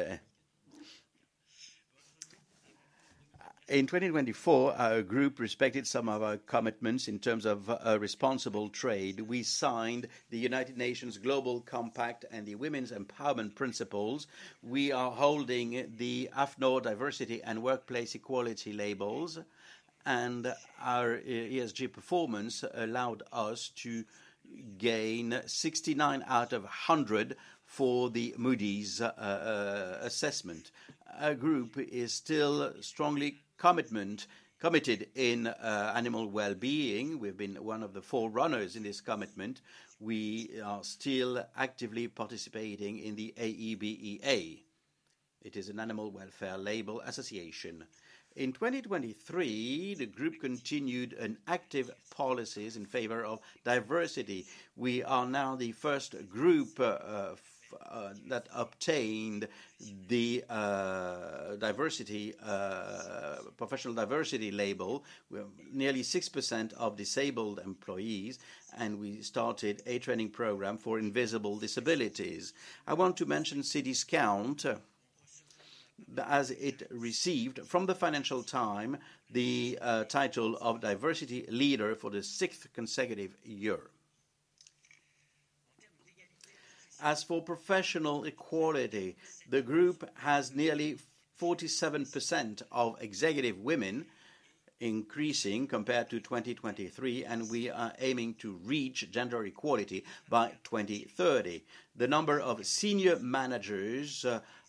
In 2024, our group respected some of our commitments in terms of responsible trade. We signed the United Nations Global Compact and the Women's Empowerment Principles. We are holding the AFNOR Diversity and Workplace Equality labels, and our ESG performance allowed us to gain 69 out of 100 for the Moody's assessment. Our group is still strongly committed in animal well-being. We've been one of the forerunners in this commitment. We are still actively participating in the AEBEA. It is an animal welfare label association. In 2023, the group continued active policies in favor of diversity. We are now the first group that obtained the professional diversity label. We have nearly 6% of disabled employees, and we started a training program for invisible disabilities. I want to mention Cdiscount as it received from the Financial Times the title of diversity leader for the sixth consecutive year. As for professional equality, the group has nearly 47% of executive women, increasing compared to 2023, and we are aiming to reach gender equality by 2030. The number of women senior managers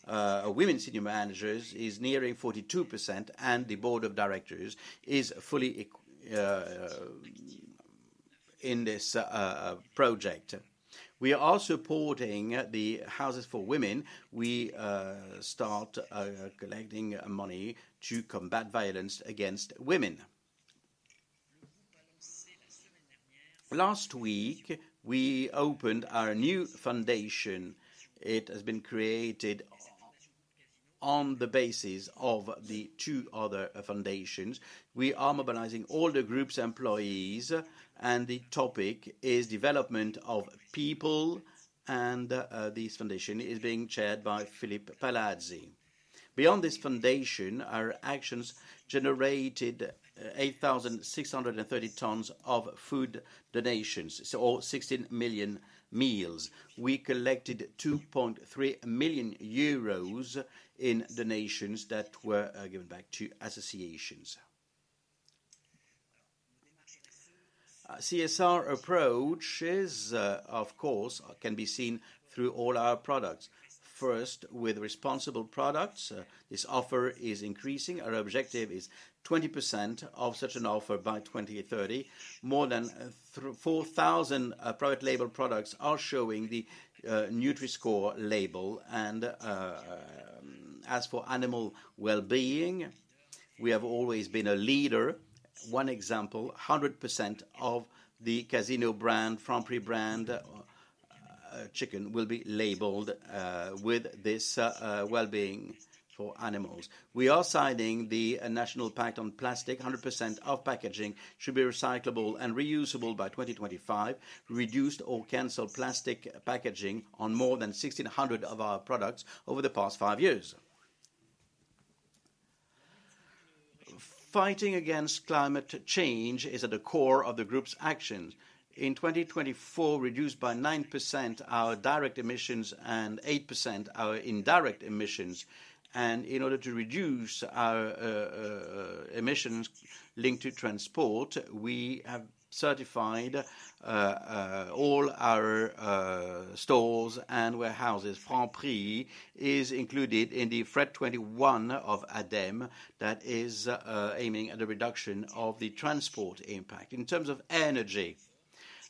is nearing 42%, and the board of directors is fully in this project. We are also supporting the Houses for Women. We start collecting money to combat violence against women. Last week, we opened our new foundation. It has been created on the basis of the two other foundations. We are mobilizing all the group's employees, and the topic is development of people, and this foundation is being chaired by Philippe Palazzi. Beyond this foundation, our actions generated 8,630 tons of food donations, or 16 million meals. We collected 2.3 million euros in donations that were given back to associations. CSR approaches, of course, can be seen through all our products. First, with responsible products, this offer is increasing. Our objective is 20% of such an offer by 2030. More than 4,000 private label products are showing the NutriScore label. As for animal well-being, we have always been a leader. One example, 100% of the Casino brand, Franprix brand chicken will be labeled with this well-being for animals. We are signing the National Pact on Plastic. 100% of packaging should be recyclable and reusable by 2025. Reduced or canceled plastic packaging on more than 1,600 of our products over the past five years. Fighting against climate change is at the core of the group's actions. In 2024, reduced by 9% our direct emissions and 8% our indirect emissions. In order to reduce our emissions linked to transport, we have certified all our stores and warehouses. Franprix is included in the FRET21 of ADEME that is aiming at the reduction of the transport impact. In terms of energy,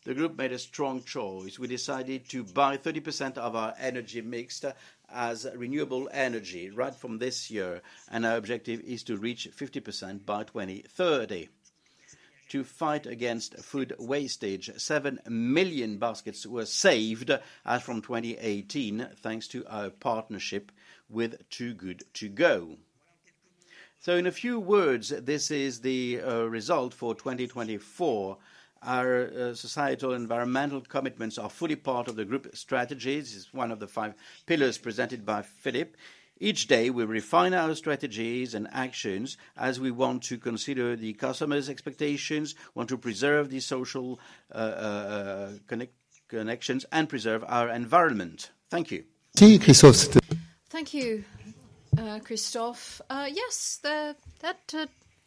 the group made a strong choice. We decided to buy 30% of our energy mix as renewable energy right from this year, and our objective is to reach 50% by 2030. To fight against food wastage, 7 million baskets were saved as from 2018, thanks to our partnership with Too Good To Go. In a few words, this is the result for 2024. Our societal environmental commitments are fully part of the group strategies. It's one of the five pillars presented by Philippe. Each day, we refine our strategies and actions as we want to consider the customers' expectations, want to preserve the social connections, and preserve our environment. Thank you. Thank you, Christophe. Thank you, Christophe. Yes,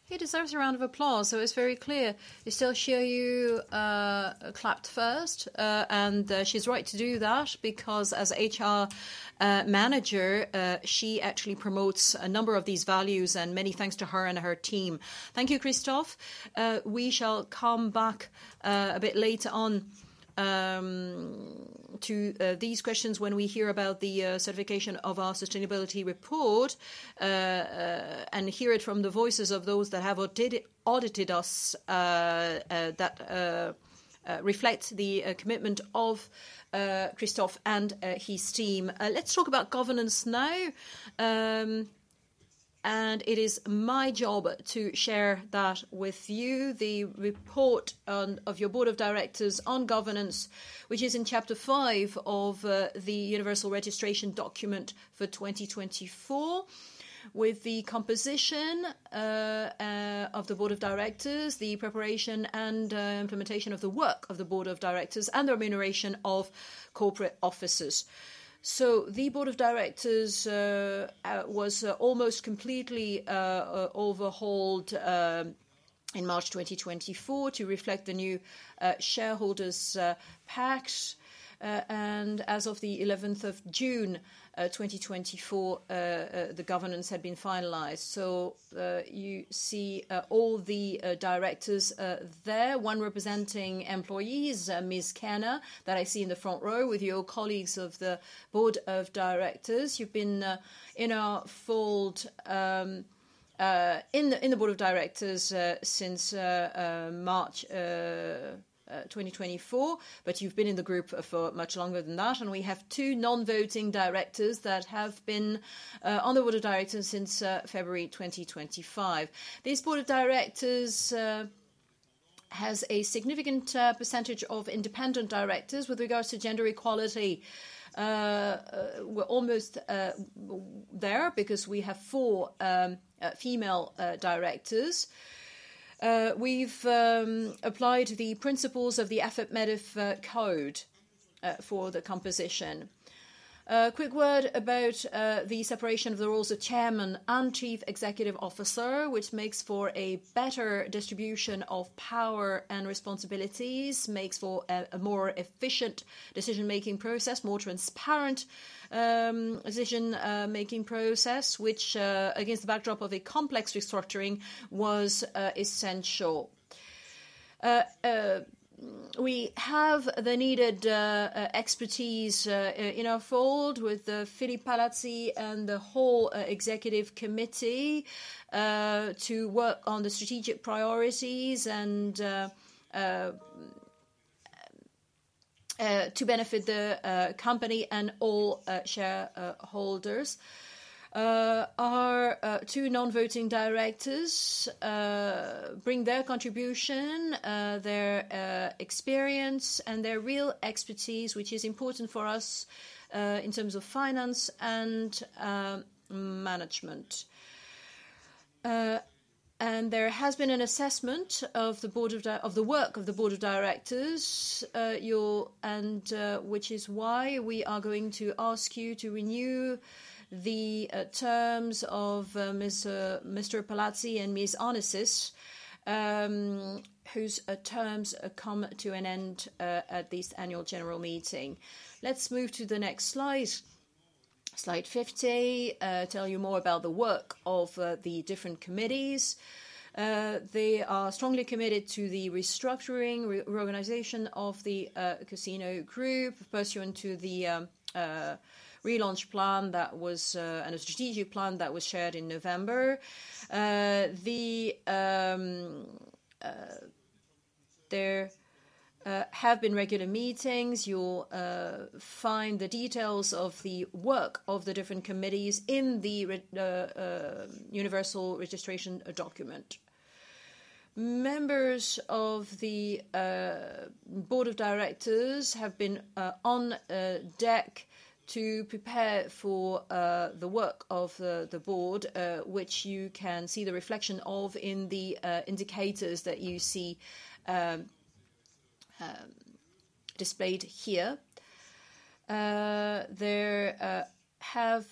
he deserves a round of applause. It was very clear. Estelle Chiou clapped first, and she's right to do that because as HR Manager, she actually promotes a number of these values, and many thanks to her and her team. Thank you, Christophe. We shall come back a bit later on to these questions when we hear about the certification of our sustainability report and hear it from the voices of those that have audited us that reflect the commitment of Christophe and his team. Let's talk about governance now. It is my job to share that with you, the report of your Board of Directors on governance, which is in Chapter 5 of the Universal Registration Document for 2024, with the composition of the Board of Directors, the preparation and implementation of the work of the Board of Directors, and the remuneration of corporate officers. The Board of Directors was almost completely overhauled in March 2024 to reflect the new shareholders' pact. As of the 11th of June 2024, the governance had been finalized. You see all the directors there, one representing employees, Ms. Kanna, that I see in the front row with your colleagues of the board of directors. You've been in the board of directors since March 2024, but you've been in the group for much longer than that. We have two non-voting directors that have been on the board of directors since February 2025. This board of directors has a significant percentage of independent directors with regards to gender equality. We're almost there because we have four female directors. We've applied the principles of the AFEP-MEDEF code for the composition. Quick word about the separation of the roles of Chairman and Chief Executive Officer, which makes for a better distribution of power and responsibilities, makes for a more efficient decision-making process, more transparent decision-making process, which, against the backdrop of a complex restructuring, was essential. We have the needed expertise in our fold with Philippe Palazzi and the whole executive committee to work on the strategic priorities and to benefit the company and all shareholders. Our two non-voting directors bring their contribution, their experience, and their real expertise, which is important for us in terms of finance and management. There has been an assessment of the work of the board of directors, which is why we are going to ask you to renew the terms of Mr. Palazzi and Ms. Arnesis, whose terms come to an end at this annual general meeting. Let's move to the next slide. Slide 50, tell you more about the work of the different committees. They are strongly committed to the restructuring, reorganization of the Casino Group, pursuant to the relaunch plan that was and a strategic plan that was shared in November. There have been regular meetings. You'll find the details of the work of the different committees in the Universal Registration Document. Members of the Board of Directors have been on deck to prepare for the work of the board, which you can see the reflection of in the indicators that you see displayed here. There have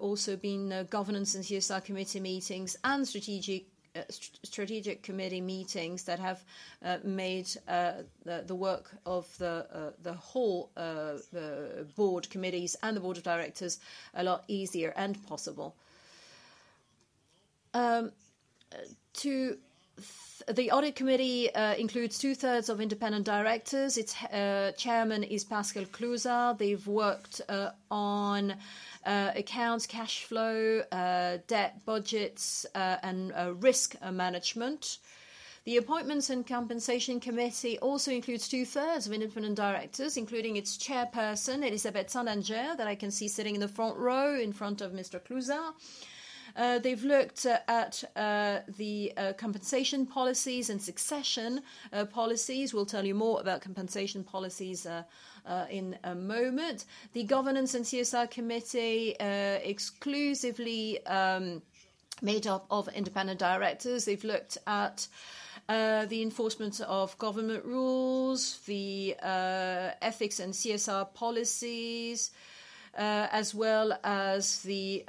also been governance and CSR committee meetings and strategic committee meetings that have made the work of the whole board committees and the Board of Directors a lot easier and possible. The Audit Committee includes two-thirds of independent directors. Its chairman is Pascal Clouzard. They've worked on accounts, cash flow, debt budgets, and risk management. The Appointments and Compensation Committee also includes two-thirds of independent directors, including its chairperson, Elisabeth Sandanger, that I can see sitting in the front row in front of Mr. Clouzard. They've looked at the compensation policies and succession policies. We'll tell you more about compensation policies in a moment. The Governance and CSR Committee is exclusively made up of independent directors. They've looked at the enforcement of government rules, the ethics and CSR policies, as well as the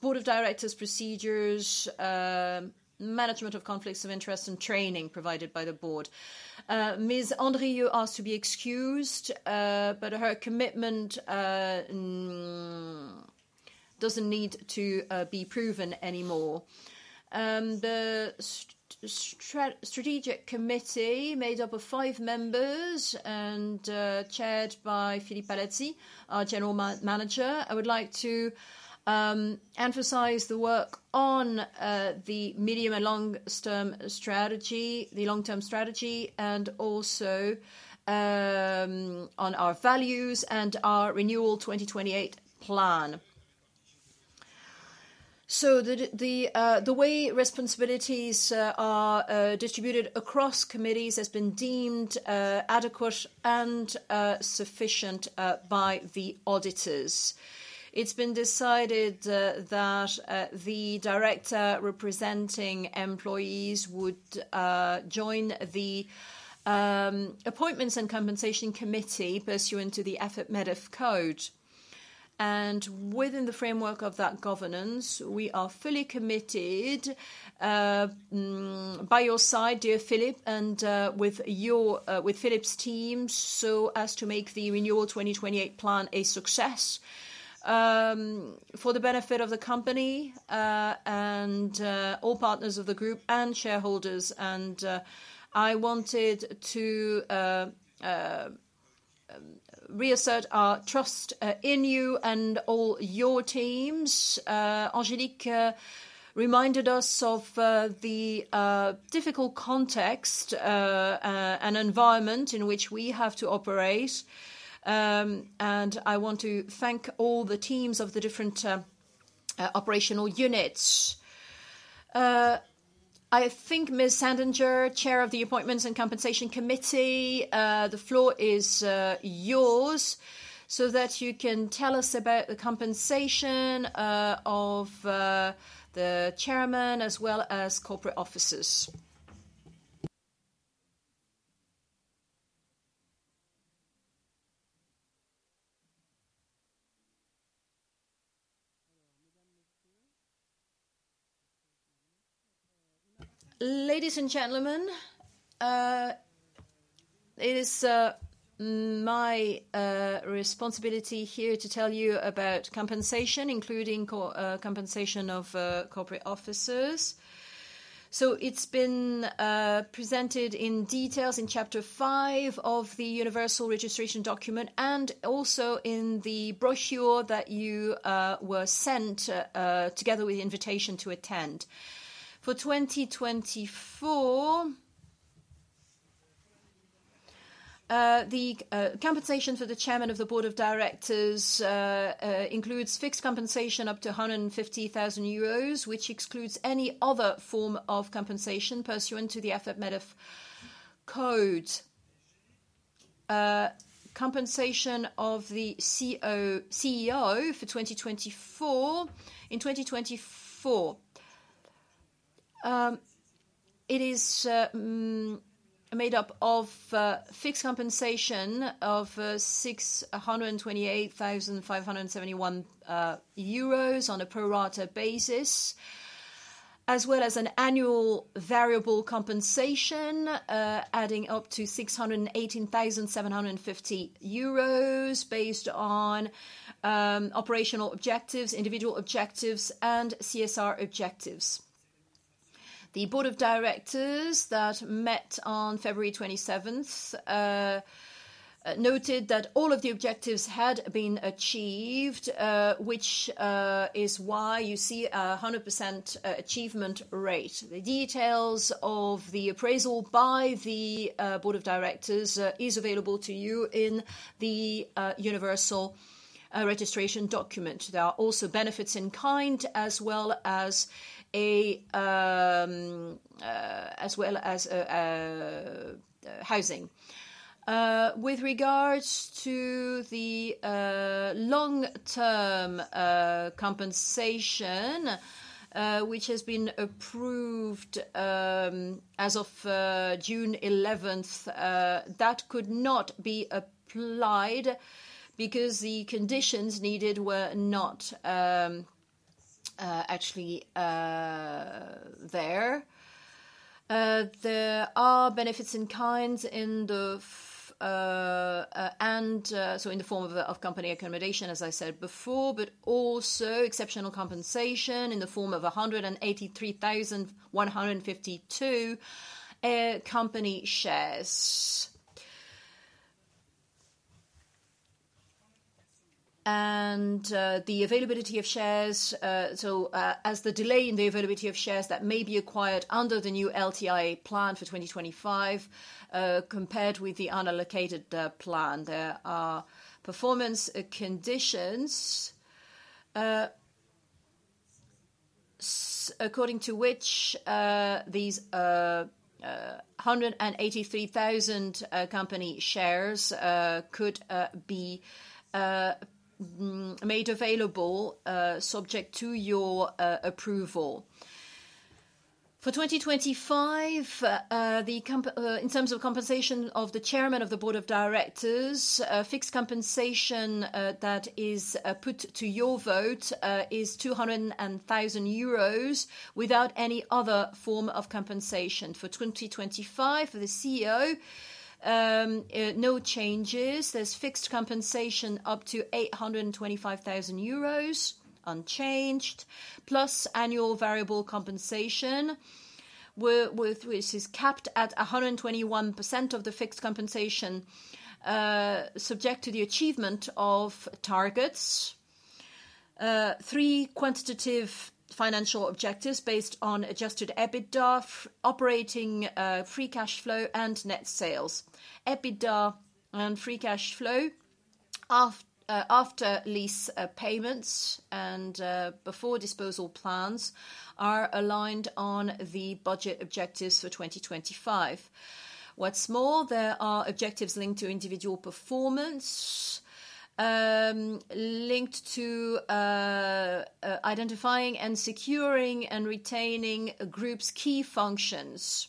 Board of Directors' procedures, management of conflicts of interest, and training provided by the board. Ms. Andrieu asked to be excused, but her commitment doesn't need to be proven anymore. The Strategic Committee is made up of five members and chaired by Philippe Palazzi, our General Manager. I would like to emphasize the work on the medium and long-term strategy, and also on our values and our Renewal 2028 plan. The way responsibilities are distributed across committees has been deemed adequate and sufficient by the auditors. It's been decided that the director representing employees would join the Appointments and Compensation Committee pursuant to the AFEP-MEDEF code. Within the framework of that governance, we are fully committed by your side, dear Philippe, and with Philippe's team, so as to make the renewal 2028 plan a success for the benefit of the company and all partners of the group and shareholders. I wanted to reassert our trust in you and all your teams. Angélique reminded us of the difficult context and environment in which we have to operate. I want to thank all the teams of the different operational units. I think Ms. Sandanger, Chair of the Appointments and Compensation Committee, the floor is yours so that you can tell us about the compensation of the Chairman as well as corporate officers. Ladies and gentlemen, it is my responsibility here to tell you about compensation, including compensation of corporate officers. It has been presented in detail in Chapter 5 of the Universal Registration Document and also in the brochure that you were sent together with the invitation to attend. For 2024, the compensation for the Chairman of the Board of Directors includes fixed compensation up to 150,000 euros, which excludes any other form of compensation pursuant to the AFEP-MEDEF code. Compensation of the CEO for 2024. In 2024, it is made up of fixed compensation of 128,571 euros on a pro rata basis, as well as an annual variable compensation adding up to 618,750 euros based on operational objectives, individual objectives, and CSR objectives. The Board of Directors that met on February 27th noted that all of the objectives had been achieved, which is why you see a 100% achievement rate. The details of the appraisal by the Board of Directors are available to you in the Universal Registration Document. There are also benefits in kind as well as housing. With regards to the long-term compensation, which has been approved as of June 11, that could not be applied because the conditions needed were not actually there. There are benefits in kind and so in the form of company accommodation, as I said before, but also exceptional compensation in the form of 183,152 company shares. The availability of shares, so as the delay in the availability of shares that may be acquired under the new LTI plan for 2025 compared with the unallocated plan. There are performance conditions according to which these 183,000 company shares could be made available, subject to your approval. For 2025, in terms of compensation of the Chairman of the Board of Directors, fixed compensation that is put to your vote is 200,000 euros without any other form of compensation. For 2025, for the CEO, no changes. There is fixed compensation up to 825,000 euros unchanged, plus annual variable compensation, which is capped at 121% of the fixed compensation, subject to the achievement of targets. Three quantitative financial objectives based on adjusted EBITDA, operating free cash flow, and net sales. EBITDA and free cash flow after lease payments and before disposal plans are aligned on the budget objectives for 2025. What is more, there are objectives linked to individual performance, linked to identifying and securing and retaining group's key functions.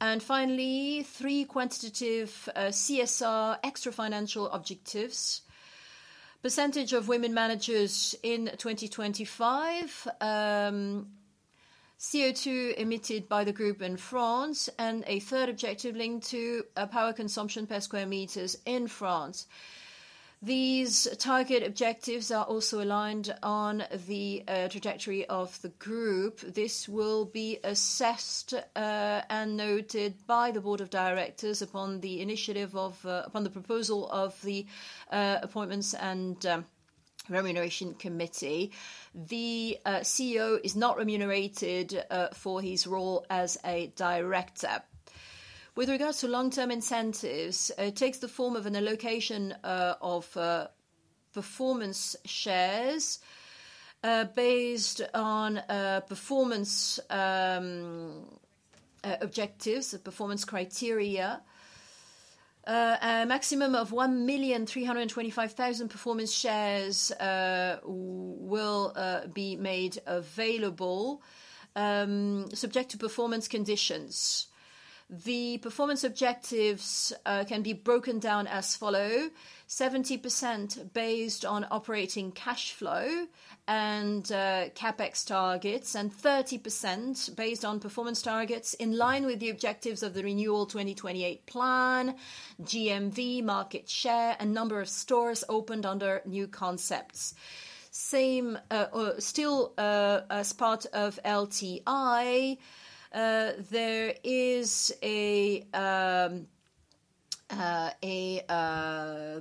Finally, three quantitative CSR extra-financial objectives: percentage of women managers in 2025, CO2 emitted by the group in France, and a third objective linked to power consumption per square meters in France. These target objectives are also aligned on the trajectory of the group. This will be assessed and noted by the board of directors upon the initiative of upon the proposal of the Appointments and Remuneration Committee. The CEO is not remunerated for his role as a director. With regards to long-term incentives, it takes the form of an allocation of performance shares based on performance objectives, performance criteria. A maximum of 1,325,000 performance shares will be made available, subject to performance conditions. The performance objectives can be broken down as follows: 70% based on operating cash flow and CapEx targets, and 30% based on performance targets in line with the objectives of the renewal 2028 plan, GMV, market share, and number of stores opened under new concepts. Still, as part of LTI, there is a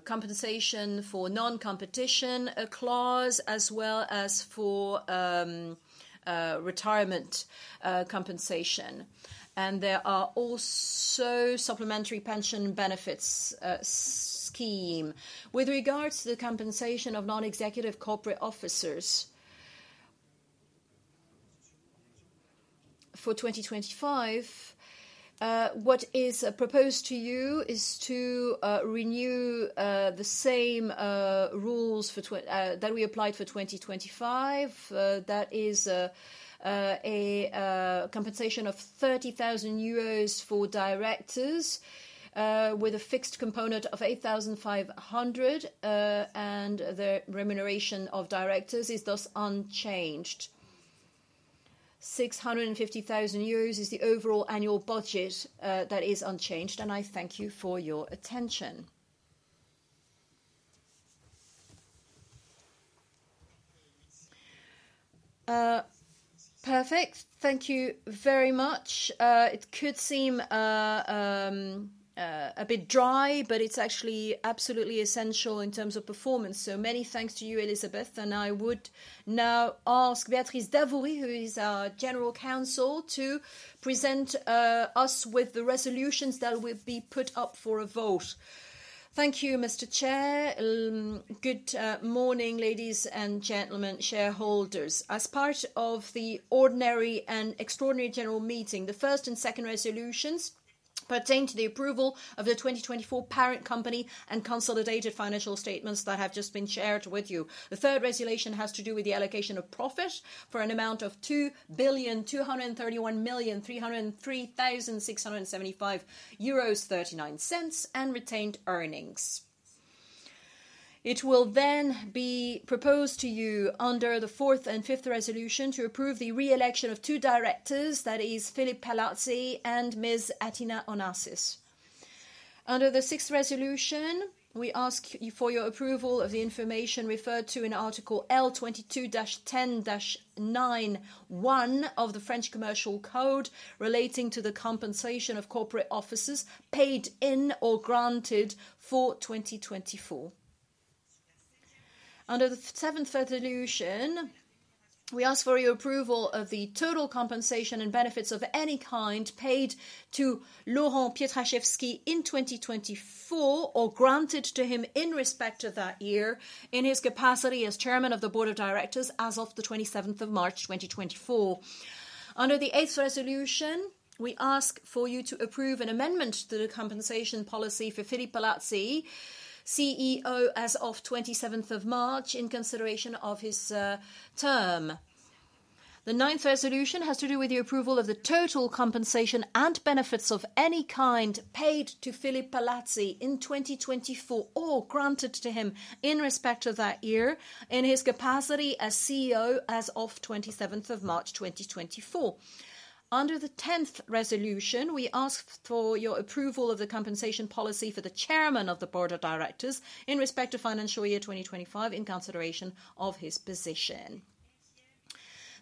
compensation for non-competition clause, as well as for retirement compensation. There are also supplementary pension benefits scheme. With regards to the compensation of non-executive corporate officers for 2025, what is proposed to you is to renew the same rules that we applied for 2025. That is a compensation of 30,000 euros for directors with a fixed component of 8,500, and the remuneration of directors is thus unchanged. 650,000 euros is the overall annual budget that is unchanged. I thank you for your attention. Perfect. Thank you very much. It could seem a bit dry, but it's actually absolutely essential in terms of performance. Many thanks to you, Elisabeth. I would now ask Béatrice Davourie, who is our General Counsel, to present us with the resolutions that will be put up for a vote. Thank you, Mr. Chair. Good morning, ladies and gentlemen, shareholders. As part of the ordinary and extraordinary general meeting, the first and second resolutions pertain to the approval of the 2024 parent company and consolidated financial statements that have just been shared with you. The third resolution has to do with the allocation of profit for an amount of 2,231,303,675.39 euros and retained earnings. It will then be proposed to you under the fourth and fifth resolution to approve the re-election of two directors, that is, Philippe Palazzi and Ms. Athina Onassis. Under the sixth resolution, we ask you for your approval of the information referred to in Article L22-10-9(1) of the French Commercial Code relating to the compensation of corporate officers paid in or granted for 2024. Under the seventh resolution, we ask for your approval of the total compensation and benefits of any kind paid to Laurent Pietraszewski in 2024 or granted to him in respect of that year in his capacity as Chairman of the Board of Directors as of the 27th of March 2024. Under the eighth resolution, we ask for you to approve an amendment to the compensation policy for Philippe Palazzi, CEO, as of 27th of March in consideration of his term. The ninth resolution has to do with the approval of the total compensation and benefits of any kind paid to Philippe Palazzi in 2024 or granted to him in respect of that year in his capacity as CEO as of 27th of March 2024. Under the tenth resolution, we ask for your approval of the compensation policy for the Chairman of the Board of Directors in respect of financial year 2025 in consideration of his position.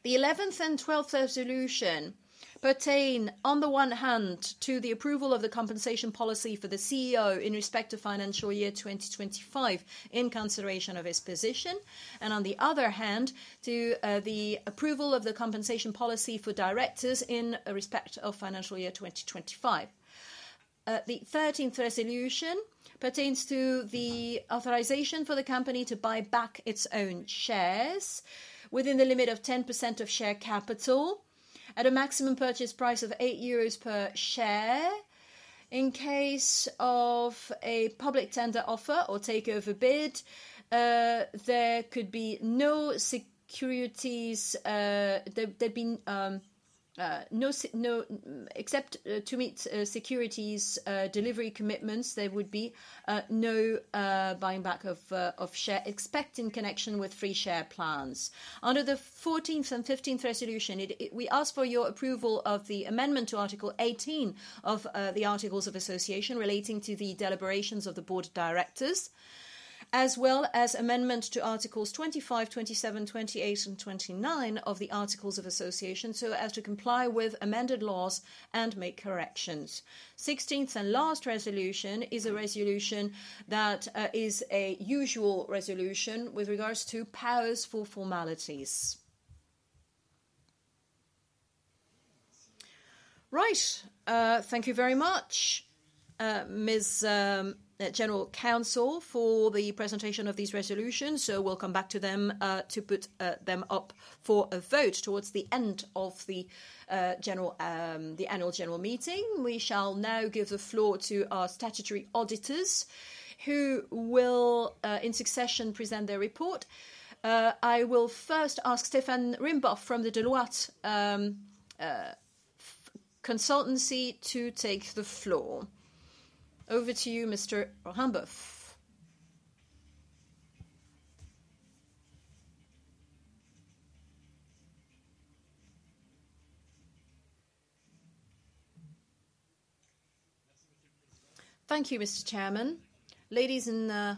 The eleventh and twelfth resolution pertain, on the one hand, to the approval of the compensation policy for the CEO in respect of financial year 2025 in consideration of his position, and on the other hand, to the approval of the compensation policy for directors in respect of financial year 2025. The thirteenth resolution pertains to the authorization for the company to buy back its own shares within the limit of 10% of share capital at a maximum purchase price of 8 euros per share. In case of a public tender offer or takeover bid, there could be no securities except to meet securities delivery commitments. There would be no buying back of shares except in connection with free share plans. Under the fourteenth and fifteenth resolution, we ask for your approval of the amendment to Article 18 of the Articles of Association relating to the deliberations of the Board of Directors, as well as amendment to Articles 25, 27, 28, and 29 of the Articles of Association, so as to comply with amended laws and make corrections. The sixteenth and last resolution is a resolution that is a usual resolution with regards to powers for formalities. Thank you very much, Ms. General Counsel, for the presentation of these resolutions. We will come back to them to put them up for a vote towards the end of the annual general meeting. We shall now give the floor to our statutory auditors who will, in succession, present their report. I will first ask Stéphane Rimbouff from the Deloitte Consultancy to take the floor. Over to you, Mr. Rimbouff. Thank you, Mr. Chairman. Ladies and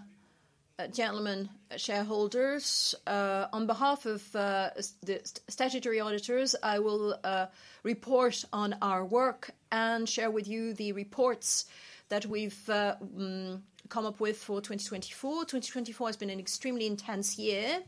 gentlemen, shareholders, on behalf of the statutory auditors, I will report on our work and share with you the reports that we've come up with for 2024. 2024 has been an extremely intense year,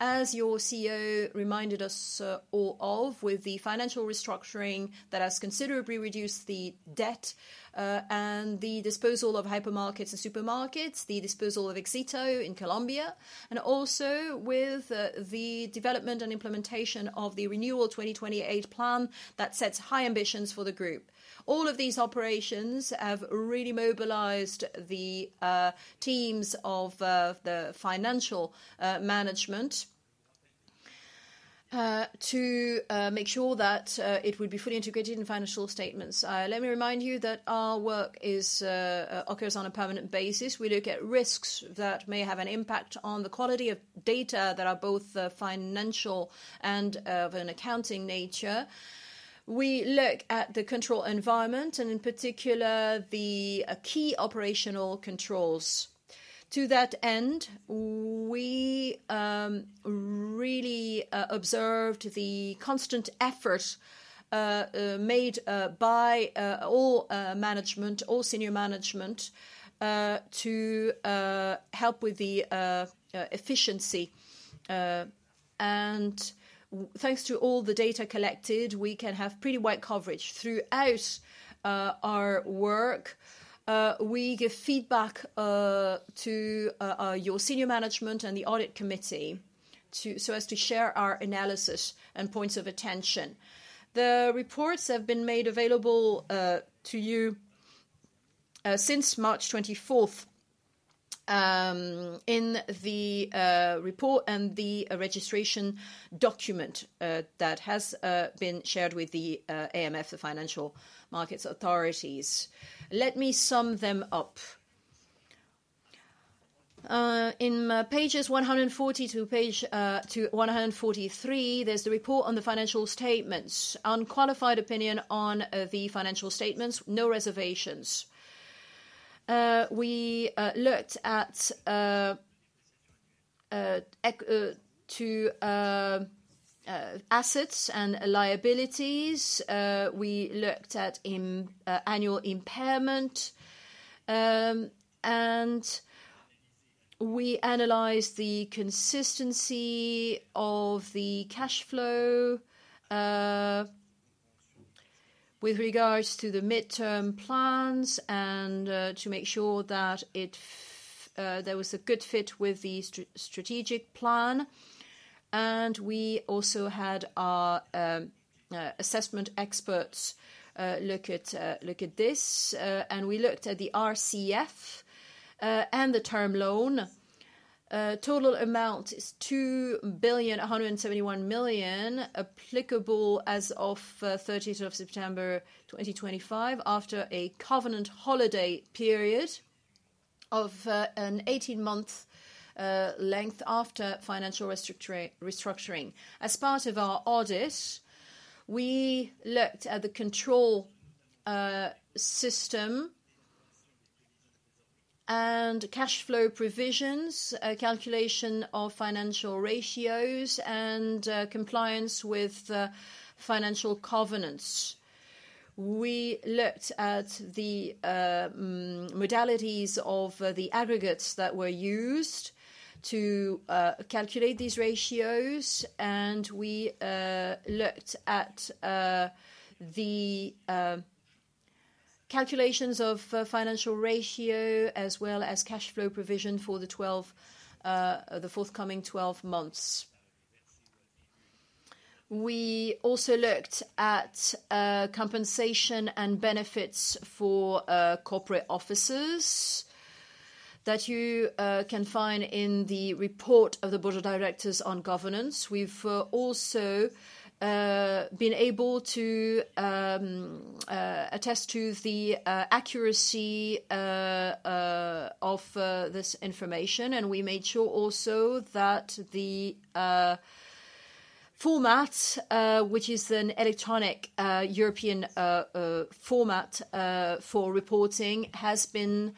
as your CEO reminded us all of, with the financial restructuring that has considerably reduced the debt and the disposal of hypermarkets and supermarkets, the disposal of Exito in Colombia, and also with the development and implementation of the renewal 2028 plan that sets high ambitions for the group. All of these operations have really mobilized the teams of the financial management to make sure that it would be fully integrated in financial statements. Let me remind you that our work occurs on a permanent basis. We look at risks that may have an impact on the quality of data that are both financial and of an accounting nature. We look at the control environment and, in particular, the key operational controls. To that end, we really observed the constant effort made by all management, all senior management, to help with the efficiency. Thanks to all the data collected, we can have pretty wide coverage throughout our work. We give feedback to your senior management and the audit committee so as to share our analysis and points of attention. The reports have been made available to you since March 24 in the report and the registration document that has been shared with the AMF, the Financial Markets Authorities. Let me sum them up. In pages 140 to 143, there is the report on the financial statements, unqualified opinion on the financial statements, no reservations. We looked at assets and liabilities. We looked at annual impairment, and we analyzed the consistency of the cash flow with regards to the midterm plans to make sure that there was a good fit with the strategic plan. We also had our assessment experts look at this. We looked at the RCF and the term loan. Total amount is 2,171,000,000 applicable as of 30th of September 2025 after a covenant holiday period of an 18-month length after financial restructuring. As part of our audit, we looked at the control system and cash flow provisions, calculation of financial ratios, and compliance with financial covenants. We looked at the modalities of the aggregates that were used to calculate these ratios, and we looked at the calculations of financial ratio as well as cash flow provision for the forthcoming 12 months. We also looked at compensation and benefits for corporate officers that you can find in the report of the Board of Directors on governance. We've also been able to attest to the accuracy of this information, and we made sure also that the format, which is an electronic European format for reporting, has been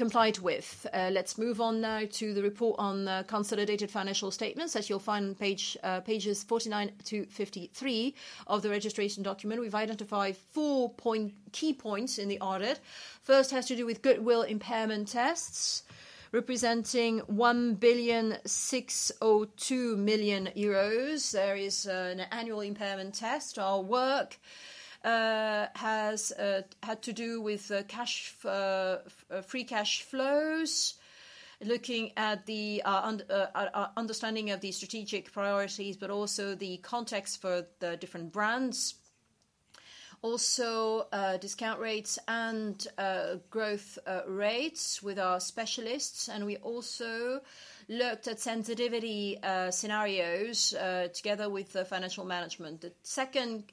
complied with. Let's move on now to the report on consolidated financial statements that you'll find on pages 49 to 53 of the registration document. We've identified four key points in the audit. First has to do with goodwill impairment tests representing 1,602,000,000 euros. There is an annual impairment test. Our work has had to do with free cash flows, looking at the understanding of the strategic priorities, but also the context for the different brands. Also, discount rates and growth rates with our specialists. We also looked at sensitivity scenarios together with financial management. The second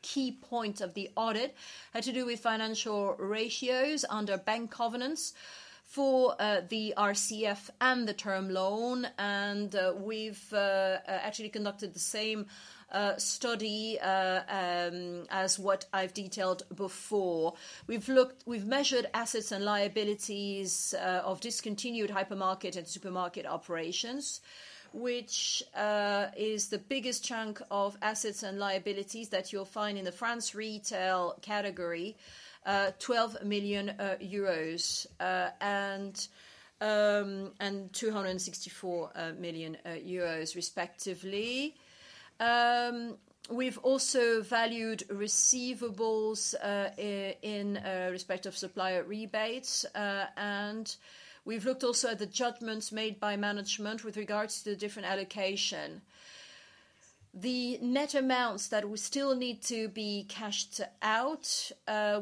key point of the audit had to do with financial ratios under bank covenants for the RCF and the term loan. We've actually conducted the same study as what I've detailed before. We've measured assets and liabilities of discontinued hypermarket and supermarket operations, which is the biggest chunk of assets and liabilities that you'll find in the France retail category, 12 million euros and 264 million euros respectively. We've also valued receivables in respect of supplier rebates. We've looked also at the judgments made by management with regards to the different allocation. The net amounts that will still need to be cashed out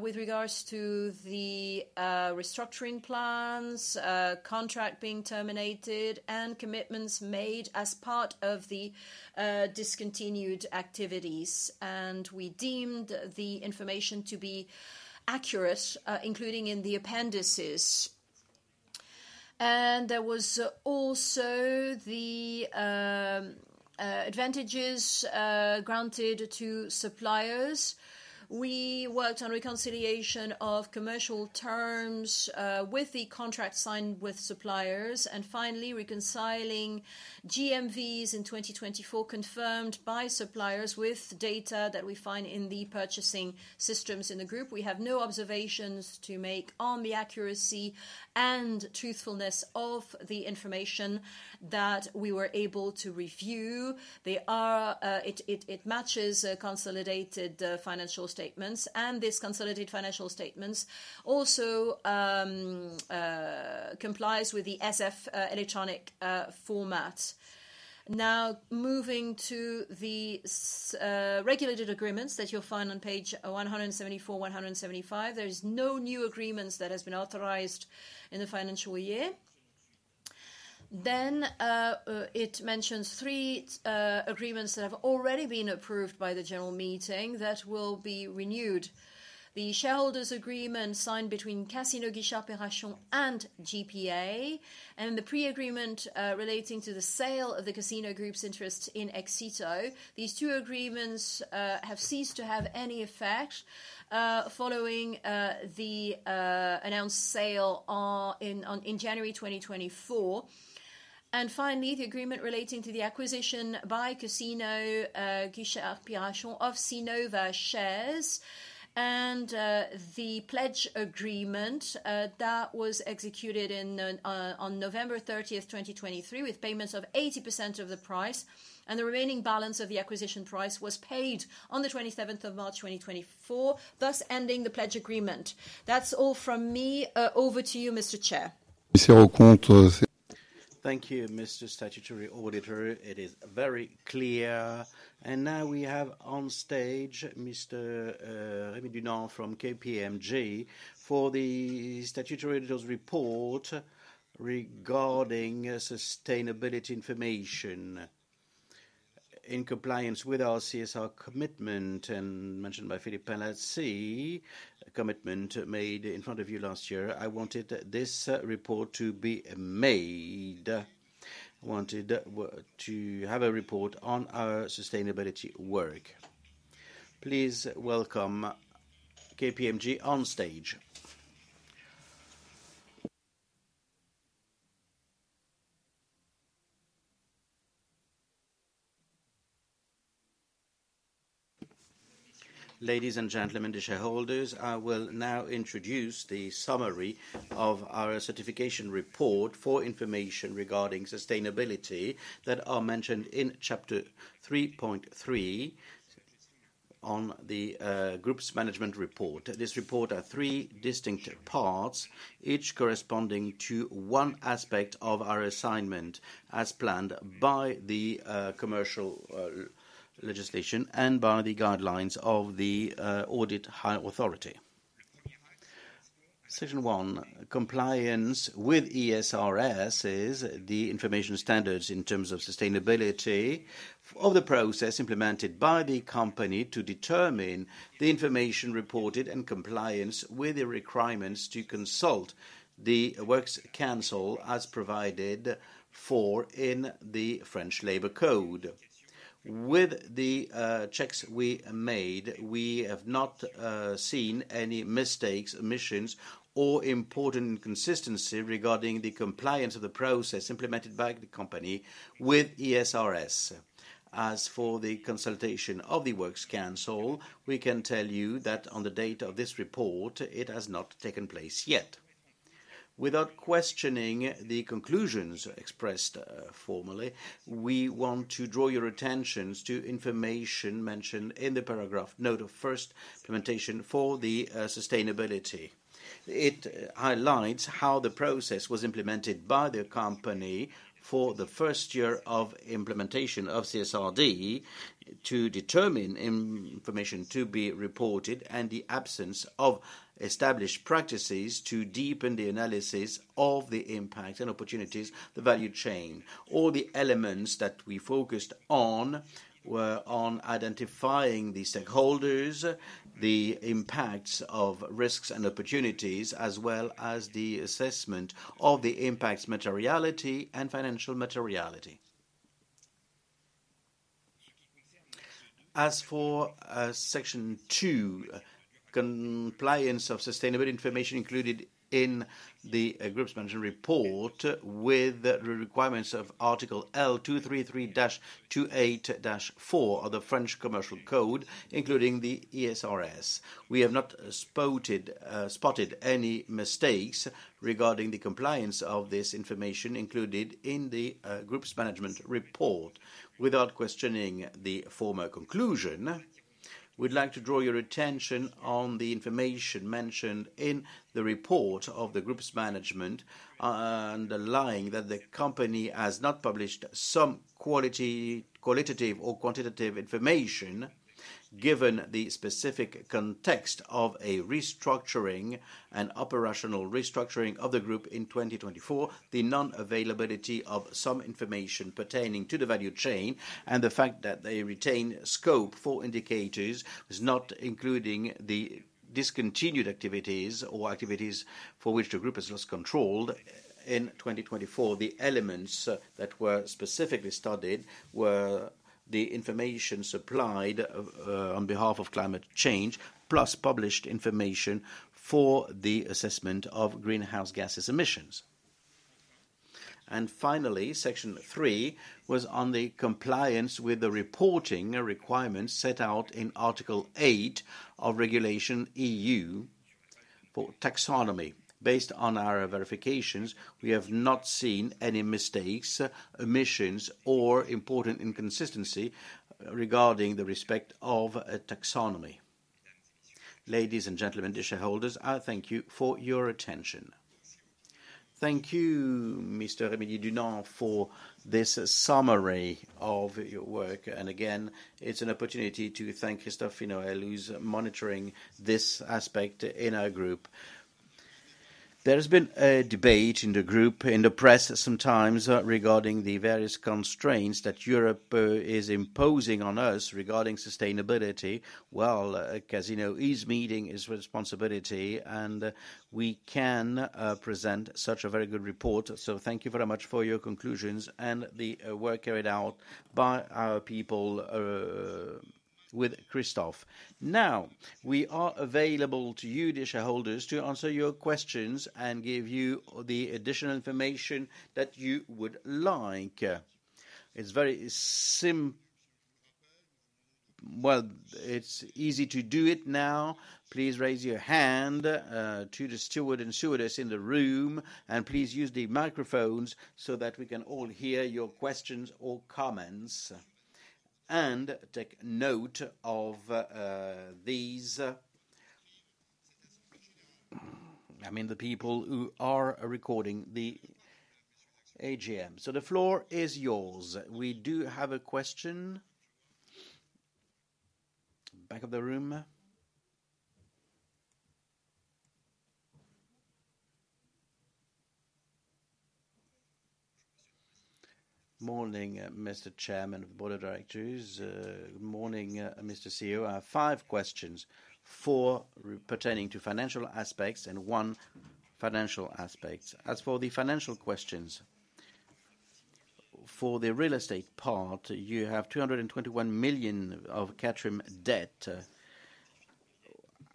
with regards to the restructuring plans, contract being terminated, and commitments made as part of the discontinued activities. We deemed the information to be accurate, including in the appendices. There were also the advantages granted to suppliers. We worked on reconciliation of commercial terms with the contract signed with suppliers. Finally, reconciling GMVs in 2024 confirmed by suppliers with data that we find in the purchasing systems in the group. We have no observations to make on the accuracy and truthfulness of the information that we were able to review. It matches consolidated financial statements. These consolidated financial statements also comply with the SF electronic format. Now, moving to the regulated agreements that you'll find on page 174, 175, there are no new agreements that have been authorized in the financial year. It mentions three agreements that have already been approved by the general meeting that will be renewed: the shareholders' agreement signed between Casino Guichard-Perrachon and GPA, and the pre-agreement relating to the sale of the Casino Group's interest in Exito. These two agreements have ceased to have any effect following the announced sale in January 2024. Finally, the agreement relating to the acquisition by Casino Guichard-Perrachon of Cinnova Shares and the pledge agreement that was executed on November 30, 2023, with payments of 80% of the price. The remaining balance of the acquisition price was paid on the 27th of March 2024, thus ending the pledge agreement. That's all from me. Over to you, Mr. Chair. Et c'est au compte. Thank you, Mr. Statutory Auditor. It is very clear. Now we have on stage Mr. Rémy Dunant from KPMG for the statutory auditor's report regarding sustainability information in compliance with our CSR commitment and mentioned by Philippe Pelletier, commitment made in front of you last year. I wanted this report to be made. I wanted to have a report on our sustainability work. Please welcome KPMG on stage. Ladies and gentlemen, the shareholders, I will now introduce the summary of our certification report for information regarding sustainability that is mentioned in Chapter 3.3 on the group's management report. This report has three distinct parts, each corresponding to one aspect of our assignment as planned by the commercial legislation and by the guidelines of the audit authority. Section 1, compliance with ESRS is the information standards in terms of sustainability of the process implemented by the company to determine the information reported and compliance with the requirements to consult the works council as provided for in the French Labor Code. With the checks we made, we have not seen any mistakes, omissions, or important inconsistency regarding the compliance of the process implemented by the company with ESRS. As for the consultation of the works council, we can tell you that on the date of this report, it has not taken place yet. Without questioning the conclusions expressed formally, we want to draw your attention to information mentioned in the paragraph note of first implementation for the sustainability. It highlights how the process was implemented by the company for the first year of implementation of CSRD to determine information to be reported and the absence of established practices to deepen the analysis of the impact and opportunities, the value chain. All the elements that we focused on were on identifying the stakeholders, the impacts of risks and opportunities, as well as the assessment of the impact's materiality and financial materiality. As for Section 2, compliance of sustainable information included in the group's management report with the requirements of Article L233-28-4 of the French Commercial Code, including the ESRS. We have not spotted any mistakes regarding the compliance of this information included in the group's management report without questioning the former conclusion. We'd like to draw your attention on the information mentioned in the report of the group's management underlying that the company has not published some qualitative or quantitative information given the specific context of a restructuring and operational restructuring of the group in 2024, the non-availability of some information pertaining to the value chain, and the fact that they retain scope for indicators is not including the discontinued activities or activities for which the group has lost control. In 2024, the elements that were specifically studied were the information supplied on behalf of climate change, plus published information for the assessment of greenhouse gases emissions. Finally, Section 3 was on the compliance with the reporting requirements set out in Article 8 of Regulation EU for taxonomy. Based on our verifications, we have not seen any mistakes, omissions, or important inconsistency regarding the respect of taxonomy. Ladies and gentlemen, the shareholders, I thank you for your attention. Thank you, Mr. Rémy Dunant, for this summary of your work. Again, it's an opportunity to thank Christophe Piennoel, who's monitoring this aspect in our group. There has been a debate in the group, in the press sometimes, regarding the various constraints that Europe is imposing on us regarding sustainability. Casino is meeting its responsibility, and we can present such a very good report. Thank you very much for your conclusions and the work carried out by our people with Christophe. Now, we are available to you, the shareholders, to answer your questions and give you the additional information that you would like. It's very simple. It's easy to do it now. Please raise your hand to the steward and stewardess in the room, and please use the microphones so that we can all hear your questions or comments. Take note of these, I mean, the people who are recording the AGM. The floor is yours. We do have a question. Back of the room. Morning, Mr. Chairman of the Board of Directors. Good morning, Mr. CEO. I have five questions, four pertaining to financial aspects and one financial aspect. As for the financial questions, for the real estate part, you have 221 million of CATRIM debt.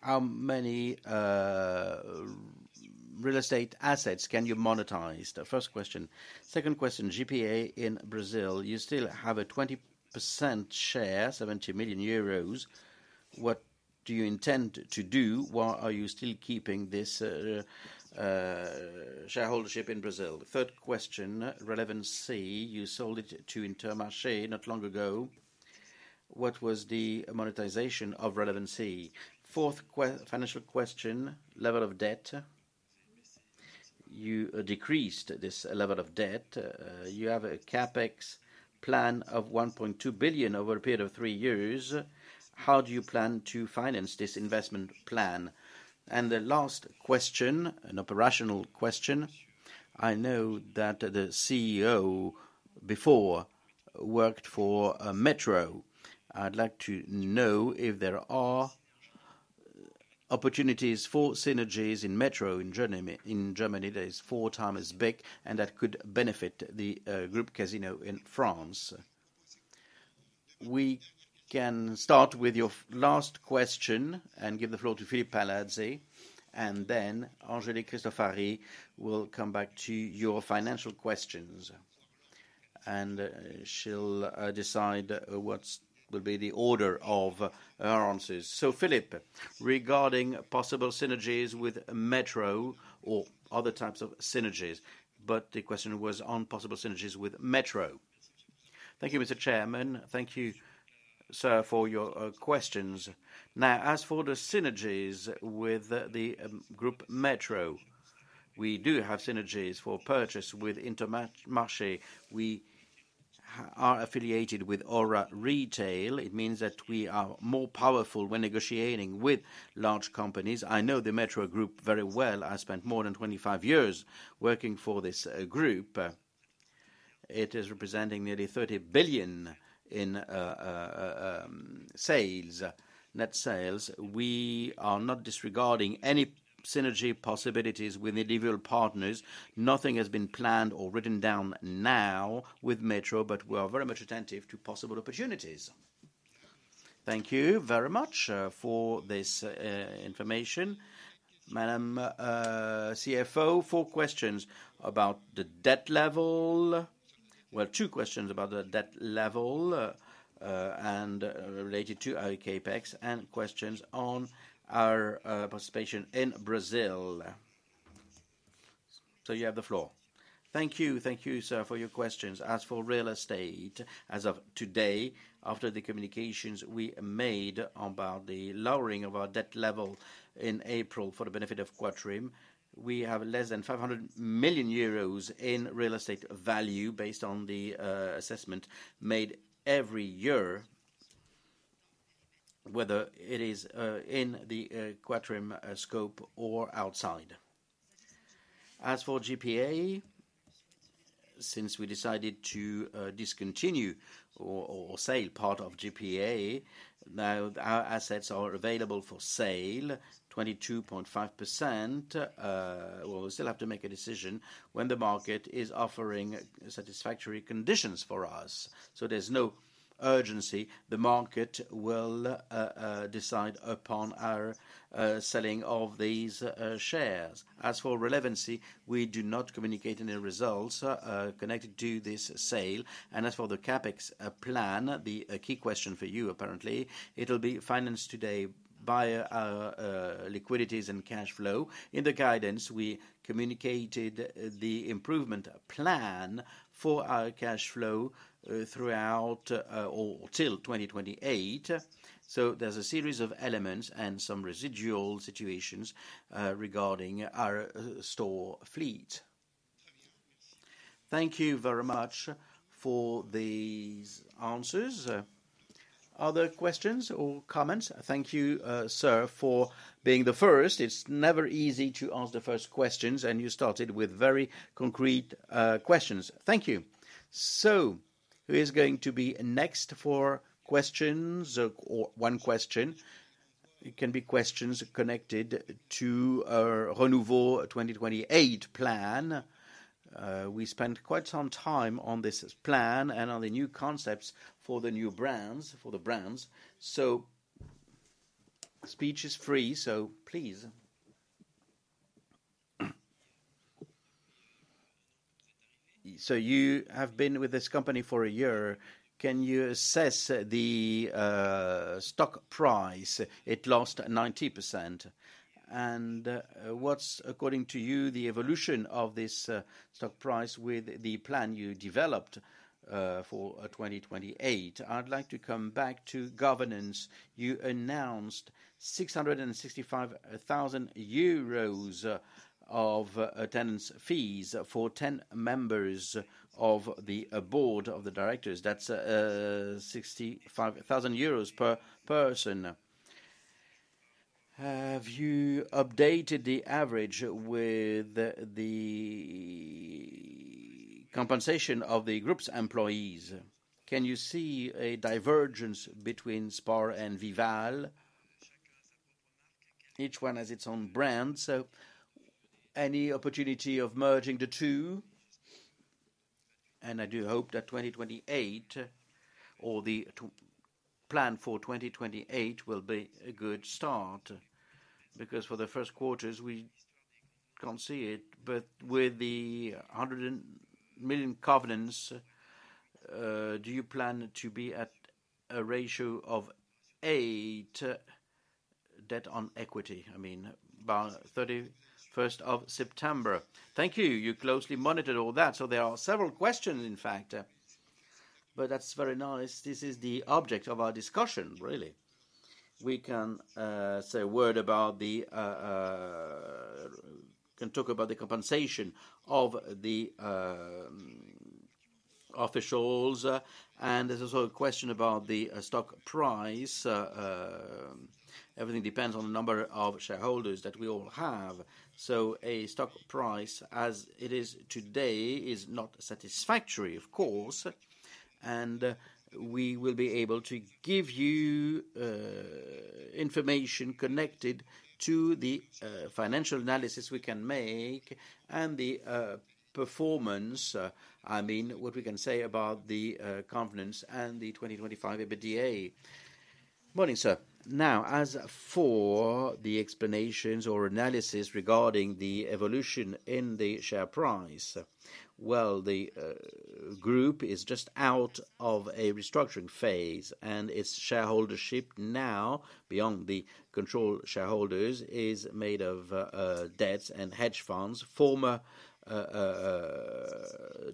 How many real estate assets can you monetize? First question. Second question, GPA in Brazil. You still have a 20% share, 70 million euros. What do you intend to do? Why are you still keeping this shareholdership in Brazil? Third question, Relevance. You sold it to Intermarché not long ago. What was the monetization of Relevance? Fourth financial question, level of debt. You decreased this level of debt. You have a CapEx plan of 1.2 billion over a period of three years. How do you plan to finance this investment plan? The last question, an operational question. I know that the CEO before worked for Metro. I'd like to know if there are opportunities for synergies in Metro in Germany. That is four times as big, and that could benefit the group Casino in France. We can start with your last question and give the floor to Philippe Palazzi, and then Angélique Cristofari will come back to your financial questions. She'll decide what will be the order of her answers. Philippe, regarding possible synergies with Metro or other types of synergies, but the question was on possible synergies with Metro. Thank you, Mr. Chairman. Thank you, sir, for your questions. Now, as for the synergies with the group Metro, we do have synergies for purchase with Intermarché. We are affiliated with Aura Retail. It means that we are more powerful when negotiating with large companies. I know the Metro Group very well. I spent more than 25 years working for this group. It is representing nearly 30 billion in net sales. We are not disregarding any synergy possibilities with individual partners. Nothing has been planned or written down now with Metro, but we are very much attentive to possible opportunities. Thank you very much for this information. Madam CFO, four questions about the debt level. Two questions about the debt level and related to our CapEx and questions on our participation in Brazil. You have the floor. Thank you. Thank you, sir, for your questions. As for real estate, as of today, after the communications we made about the lowering of our debt level in April for the benefit of Quatrim, we have less than 500 million euros in real estate value based on the assessment made every year, whether it is in the Quatrim scope or outside. As for GPA, since we decided to discontinue or sell part of GPA, now our assets are available for sale, 22.5%. We'll still have to make a decision when the market is offering satisfactory conditions for us. There is no urgency. The market will decide upon our selling of these shares. As for Relevance, we do not communicate any results connected to this sale. As for the CapEx plan, the key question for you, apparently, it'll be financed today by our liquidities and cash flow. In the guidance, we communicated the improvement plan for our cash flow throughout or till 2028. There is a series of elements and some residual situations regarding our store fleet. Thank you very much for these answers. Other questions or comments? Thank you, sir, for being the first. It's never easy to answer the first questions, and you started with very concrete questions. Thank you. Who is going to be next for questions or one question? It can be questions connected to our Renouveau 2028 plan. We spent quite some time on this plan and on the new concepts for the new brands, for the brands. Speech is free, so please. You have been with this company for a year. Can you assess the stock price? It lost 90%. What's, according to you, the evolution of this stock price with the plan you developed for 2028? I'd like to come back to governance. You announced 665,000 euros of attendance fees for 10 members of the board of the directors. That's 65,000 euros per person. Have you updated the average with the compensation of the group's employees? Can you see a divergence between Spar and Vival? Each one has its own brand. So any opportunity of merging the two? I do hope that 2028 or the plan for 2028 will be a good start because for the first quarters, we can't see it. With the 100 million covenants, do you plan to be at a ratio of 8 debt on equity? I mean, by 31st of September. Thank you. You closely monitored all that. There are several questions, in fact. That's very nice. This is the object of our discussion, really. We can say a word about the, can talk about the compensation of the officials. There's also a question about the stock price. Everything depends on the number of shareholders that we all have. A stock price as it is today is not satisfactory, of course. We will be able to give you information connected to the financial analysis we can make and the performance, I mean, what we can say about the confidence and the 2025 EBITDA. Morning, sir. As for the explanations or analysis regarding the evolution in the share price, the group is just out of a restructuring phase, and its shareholdership now, beyond the control shareholders, is made of debts and hedge funds, former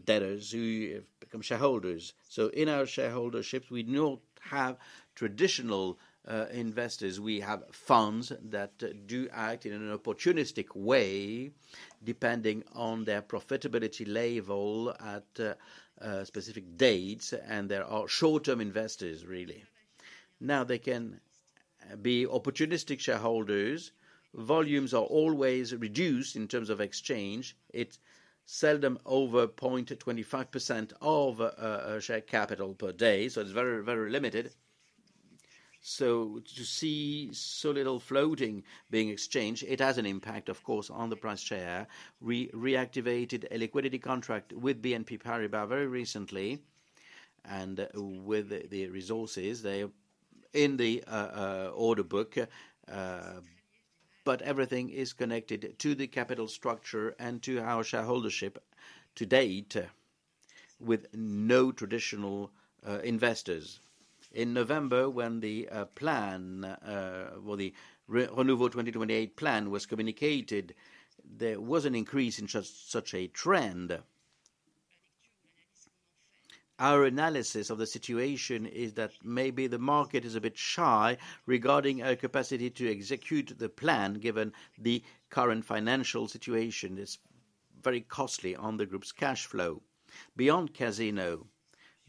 debtors who have become shareholders. In our shareholdership, we do not have traditional investors. We have funds that do act in an opportunistic way depending on their profitability level at specific dates, and there are short-term investors, really. Now, they can be opportunistic shareholders. Volumes are always reduced in terms of exchange. It is seldom over 0.25% of share capital per day. It is very, very limited. To see so little floating being exchanged, it has an impact, of course, on the share price. We reactivated a liquidity contract with BNP Paribas very recently and with the resources in the order book. Everything is connected to the capital structure and to our shareholdership to date with no traditional investors. In November, when the plan, the Renouveau 2028 plan, was communicated, there was an increase in such a trend. Our analysis of the situation is that maybe the market is a bit shy regarding our capacity to execute the plan given the current financial situation. It is very costly on the group's cash flow. Beyond Casino,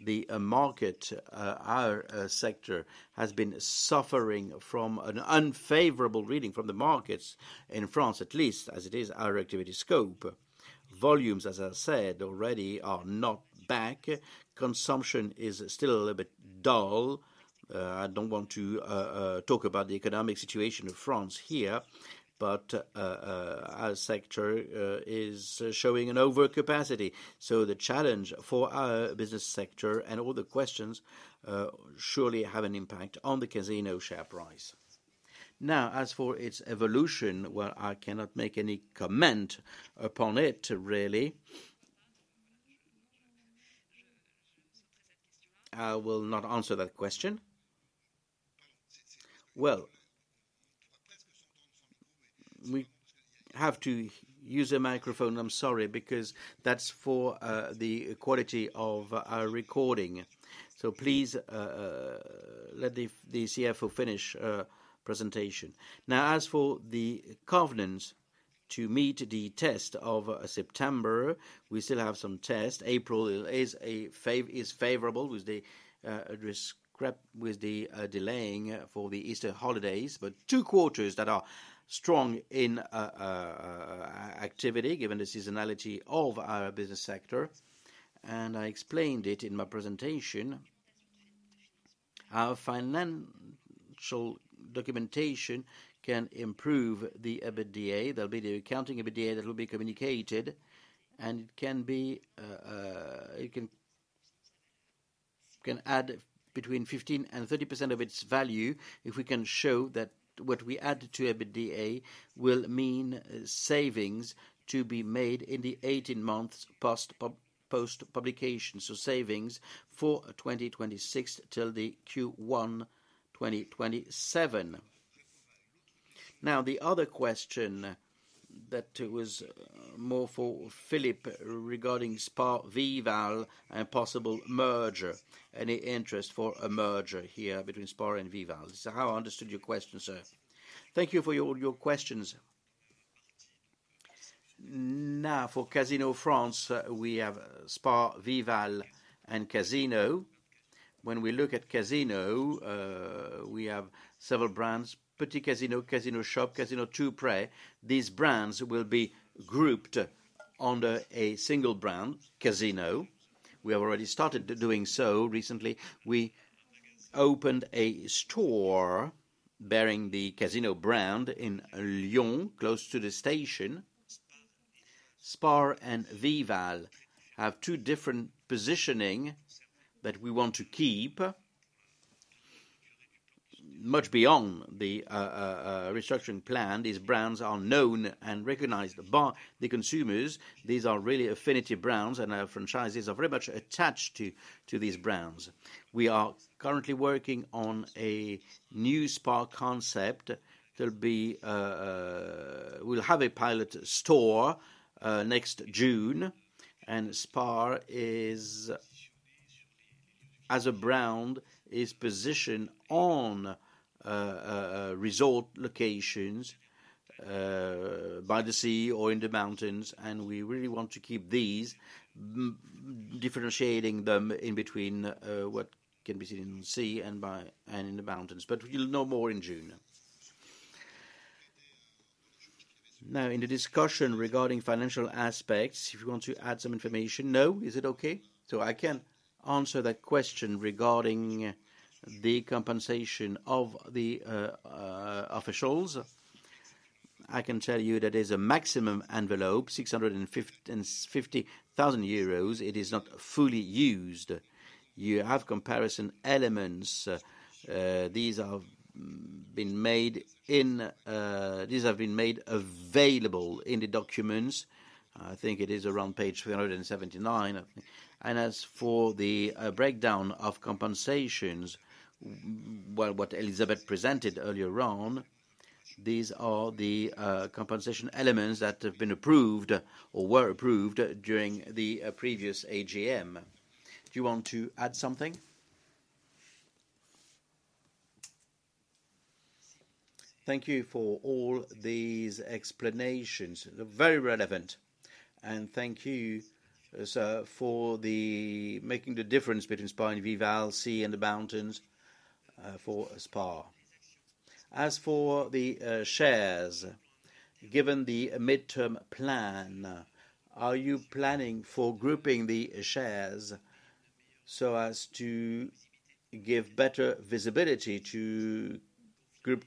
the market, our sector, has been suffering from an unfavorable reading from the markets in France, at least as it is our activity scope. Volumes, as I said already, are not back. Consumption is still a little bit dull. I do not want to talk about the economic situation of France here, but our sector is showing an overcapacity. The challenge for our business sector and all the questions surely have an impact on the Casino share price. Now, as for its evolution, I cannot make any comment upon it, really. I will not answer that question. I have to use a microphone. I'm sorry because that's for the quality of our recording. Please let the CFO finish her presentation. Now, as for the covenants to meet the test of September, we still have some test. April is favorable with the delaying for the Easter holidays, but two quarters that are strong in activity given the seasonality of our business sector. I explained it in my presentation. Our financial documentation can improve the EBITDA. There will be the accounting EBITDA that will be communicated, and it can add between 15% and 30% of its value if we can show that what we add to EBITDA will mean savings to be made in the 18 months post-publication. Savings for 2026 till Q1 2027. The other question that was more for Philippe regarding Spar, Vival, and possible merger. Any interest for a merger here between Spar and Vival? This is how I understood your question, sir. Thank you for all your questions. Now, for Casino France, we have Spar, Vival, and Casino. When we look at Casino, we have several brands: Le Petit Casino, Casino Shop, Casino Toupret. These brands will be grouped under a single brand, Casino. We have already started doing so recently. We opened a store bearing the Casino brand in Lyon, close to the station. Spar and Vival have two different positioning that we want to keep. Much beyond the restructuring plan, these brands are known and recognized by the consumers. These are really affinity brands, and our franchises are very much attached to these brands. We are currently working on a new Spar concept. There'll be we'll have a pilot store next June, and Spar, as a brand, is positioned on resort locations by the sea or in the mountains, and we really want to keep these, differentiating them in between what can be seen in the sea and in the mountains. We'll know more in June. Now, in the discussion regarding financial aspects, if you want to add some information, no, is it okay? I can answer that question regarding the compensation of the officials. I can tell you that there's a maximum envelope, 650,000 euros. It is not fully used. You have comparison elements. These have been made available in the documents. I think it is around page 379. As for the breakdown of compensations, what Elisabeth presented earlier on, these are the compensation elements that have been approved or were approved during the previous AGM. Do you want to add something? Thank you for all these explanations. They're very relevant. Thank you, sir, for making the difference between Spar and Vival, sea, and the mountains for Spar. As for the shares, given the midterm plan, are you planning for grouping the shares so as to give better visibility to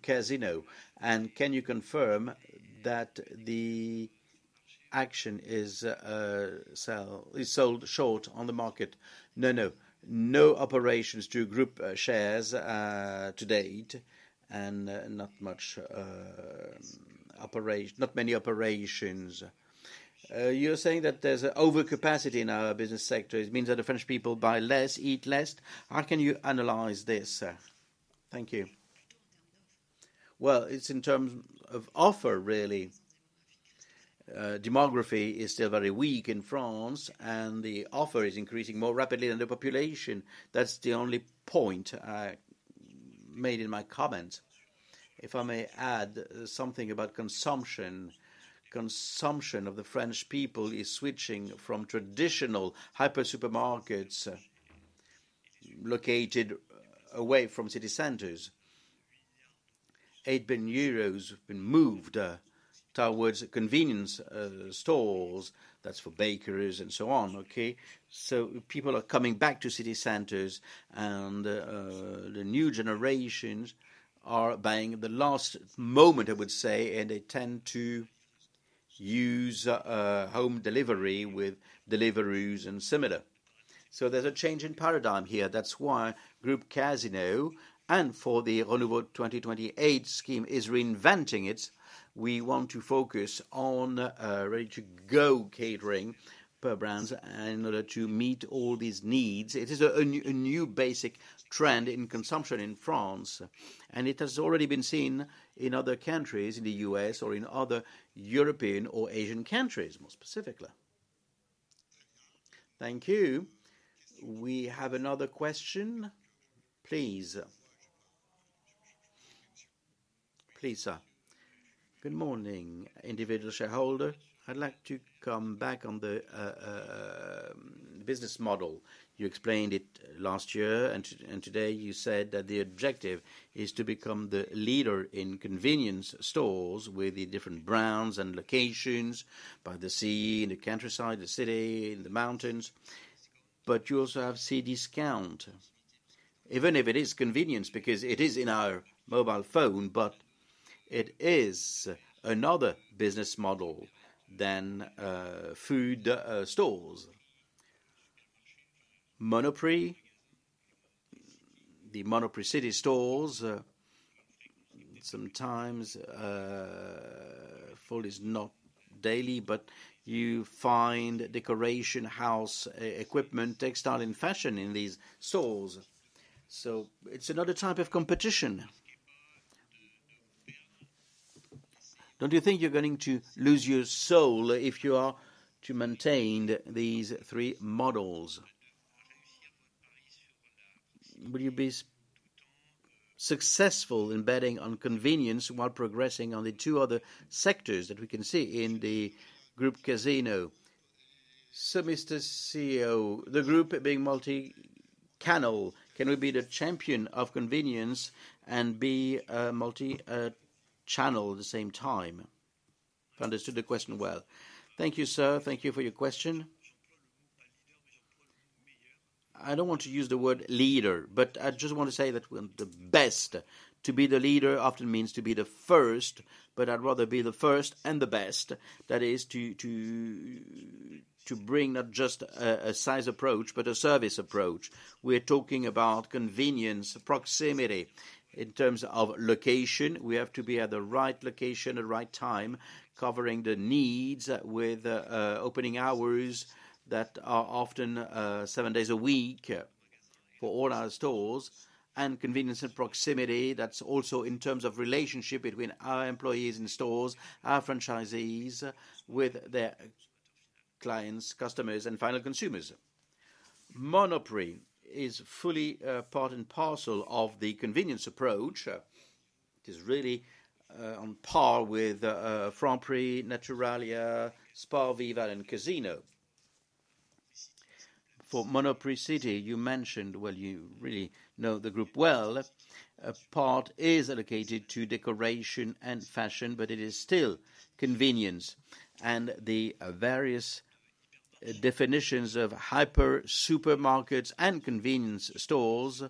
Casino Group? Can you confirm that the action is sold short on the market? No, no. No operations to group shares to date, and not many operations. You're saying that there's an overcapacity in our business sector. It means that the French people buy less, eat less. How can you analyze this? Thank you. It is in terms of offer, really. Demography is still very weak in France, and the offer is increasing more rapidly than the population. That's the only point I made in my comment. If I may add something about consumption, consumption of the French people is switching from traditional hyper-supermarkets located away from city centers. 8 billion euros have been moved towards convenience stores. That's for bakeries and so on, okay? People are coming back to city centers, and the new generations are buying at the last moment, I would say, and they tend to use home delivery with deliveries and similar. There is a change in paradigm here. That's why Casino Group, and for the Renouveau 2028 scheme, is reinventing it. We want to focus on ready-to-go catering per brands in order to meet all these needs. It is a new basic trend in consumption in France, and it has already been seen in other countries, in the U.S. or in other European or Asian countries, more specifically. Thank you. We have another question. Please. Please, sir. Good morning, individual shareholder. I'd like to come back on the business model. You explained it last year, and today you said that the objective is to become the leader in convenience stores with the different brands and locations by the sea, in the countryside, the city, in the mountains. You also have Cdiscount. Even if it is convenience, because it is in our mobile phone, it is another business model than food stores. Monoprix, the Monoprix city stores, sometimes food is not daily, but you find decoration, house equipment, textile, and fashion in these stores. It is another type of competition. Don't you think you're going to lose your soul if you are to maintain these three models? Will you be successful in betting on convenience while progressing on the two other sectors that we can see in the Casino Group? Sir, Mr. CEO, the group being multi-channel, can we be the champion of convenience and be multi-channel at the same time? If I understood the question well. Thank you, sir. Thank you for your question. I don't want to use the word leader, but I just want to say that the best to be the leader often means to be the first, but I'd rather be the first and the best. That is to bring not just a size approach, but a service approach. We're talking about convenience, proximity. In terms of location, we have to be at the right location, at the right time, covering the needs with opening hours that are often seven days a week for all our stores. Convenience and proximity, that's also in terms of relationship between our employees in stores, our franchisees, with their clients, customers, and final consumers. Monoprix is fully part and parcel of the convenience approach. It is really on par with Franprix, Naturalia, Spar, Vival, and Casino. For Monoprix City, you mentioned, you really know the group well, a part is allocated to decoration and fashion, but it is still convenience. The various definitions of hyper-supermarkets and convenience stores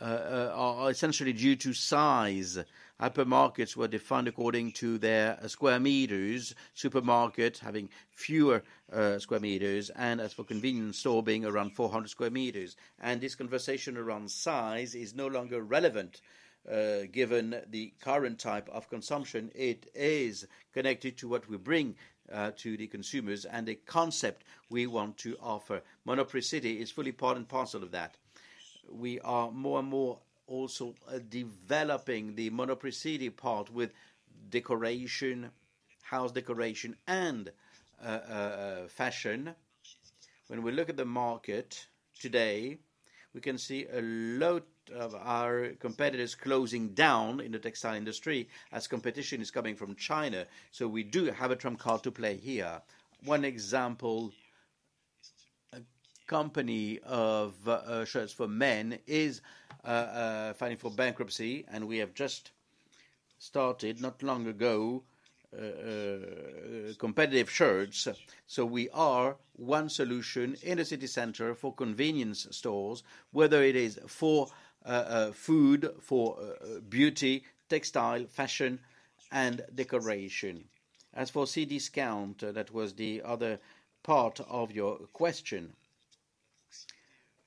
are essentially due to size. Hypermarkets were defined according to their square meters, supermarkets having fewer square meters, and as for convenience store being around 400 square meters. This conversation around size is no longer relevant given the current type of consumption. It is connected to what we bring to the consumers and the concept we want to offer. Monoprix City is fully part and parcel of that. We are more and more also developing the Monoprix City part with decoration, house decoration, and fashion. When we look at the market today, we can see a lot of our competitors closing down in the textile industry as competition is coming from China. We do have a trump card to play here. One example, a company of shirts for men is filing for bankruptcy, and we have just started not long ago competitive shirts. We are one solution in a city center for convenience stores, whether it is for food, for beauty, textile, fashion, and decoration. As for Cdiscount, that was the other part of your question.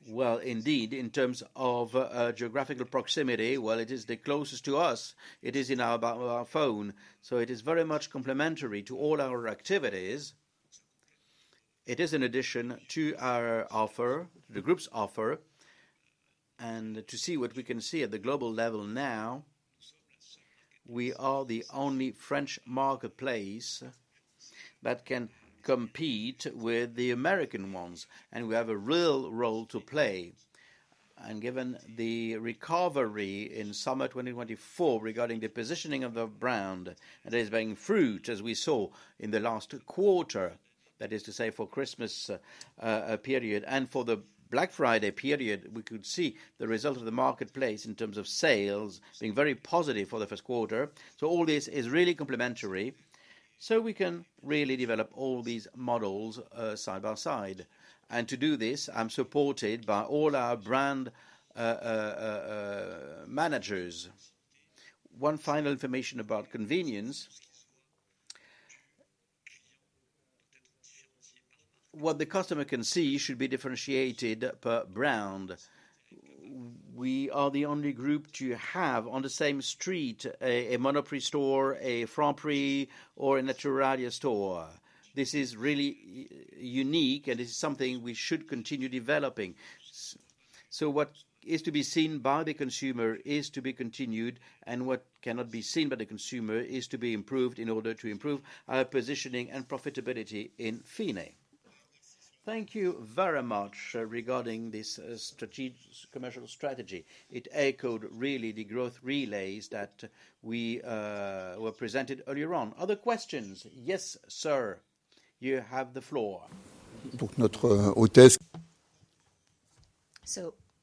Indeed, in terms of geographical proximity, it is the closest to us. It is in our phone. It is very much complementary to all our activities. It is in addition to our offer, the group's offer. To see what we can see at the global level now, we are the only French marketplace that can compete with the American ones, and we have a real role to play. Given the recovery in summer 2024 regarding the positioning of the brand that is bearing fruit, as we saw in the last quarter, that is to say for Christmas period and for the Black Friday period, we could see the result of the marketplace in terms of sales being very positive for the first quarter. All this is really complementary. We can really develop all these models side by side. To do this, I'm supported by all our brand managers. One final information about convenience. What the customer can see should be differentiated per brand. We are the only group to have on the same street a Monoprix store, a Franprix, or a Naturalia store. This is really unique, and this is something we should continue developing. What is to be seen by the consumer is to be continued, and what cannot be seen by the consumer is to be improved in order to improve our positioning and profitability in Fine. Thank you very much regarding this commercial strategy. It echoed really the growth relays that we were presented earlier on. Other questions? Yes, sir. You have the floor. Pour notre hôtesse.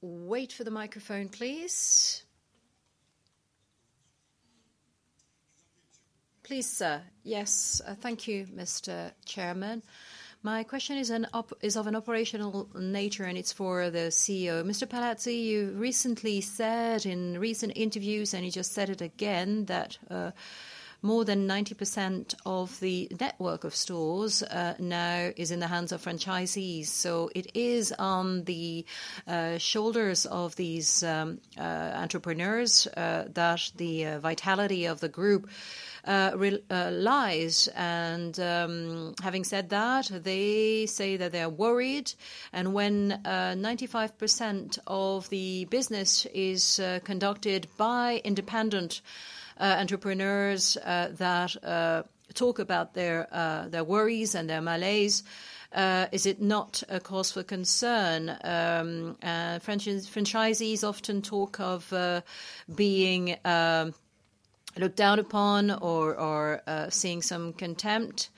Wait for the microphone, please. Please, sir. Yes. Thank you, Mr. Chairman. My question is of an operational nature, and it's for the CEO. Mr. Palazzi, you recently said in recent interviews, and you just said it again, that more than 90% of the network of stores now is in the hands of franchisees. It is on the shoulders of these entrepreneurs that the vitality of the group lies. Having said that, they say that they are worried. When 95% of the business is conducted by independent entrepreneurs that talk about their worries and their malaise, is it not a cause for concern? Franchisees often talk of being looked down upon or seeing some contempt.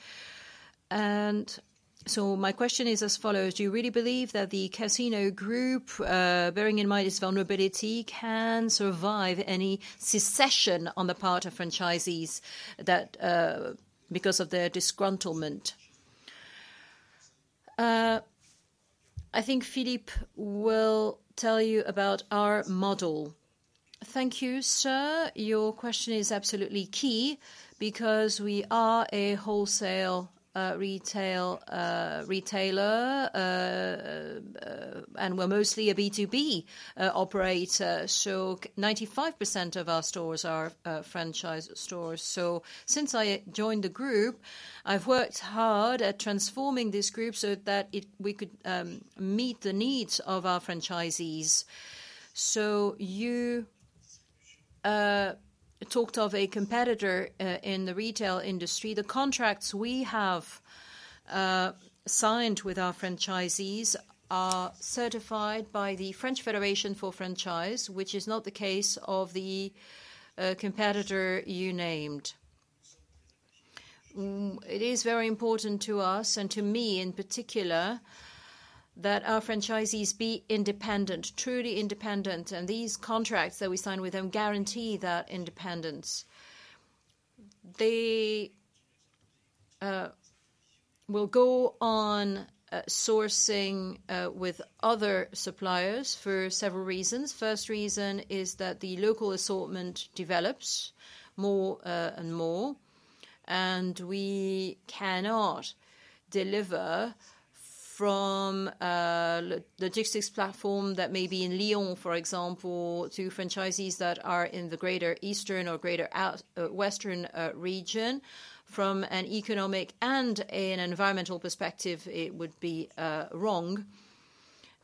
My question is as follows: Do you really believe that the Casino Group, bearing in mind its vulnerability, can survive any secession on the part of franchisees because of their disgruntlement? I think Philippe will tell you about our model. Thank you, sir. Your question is absolutely key because we are a wholesale retailer, and we're mostly a B2B operator. Ninety-five percent of our stores are franchise stores. Since I joined the group, I've worked hard at transforming this group so that we could meet the needs of our franchisees. You talked of a competitor in the retail industry. The contracts we have signed with our franchisees are certified by the French Federation for Franchise, which is not the case of the competitor you named. It is very important to us, and to me in particular, that our franchisees be independent, truly independent. These contracts that we sign with them guarantee that independence. They will go on sourcing with other suppliers for several reasons. First reason is that the local assortment develops more and more, and we cannot deliver from the logistics platform that may be in Lyon, for example, to franchisees that are in the greater eastern or greater western region. From an economic and an environmental perspective, it would be wrong.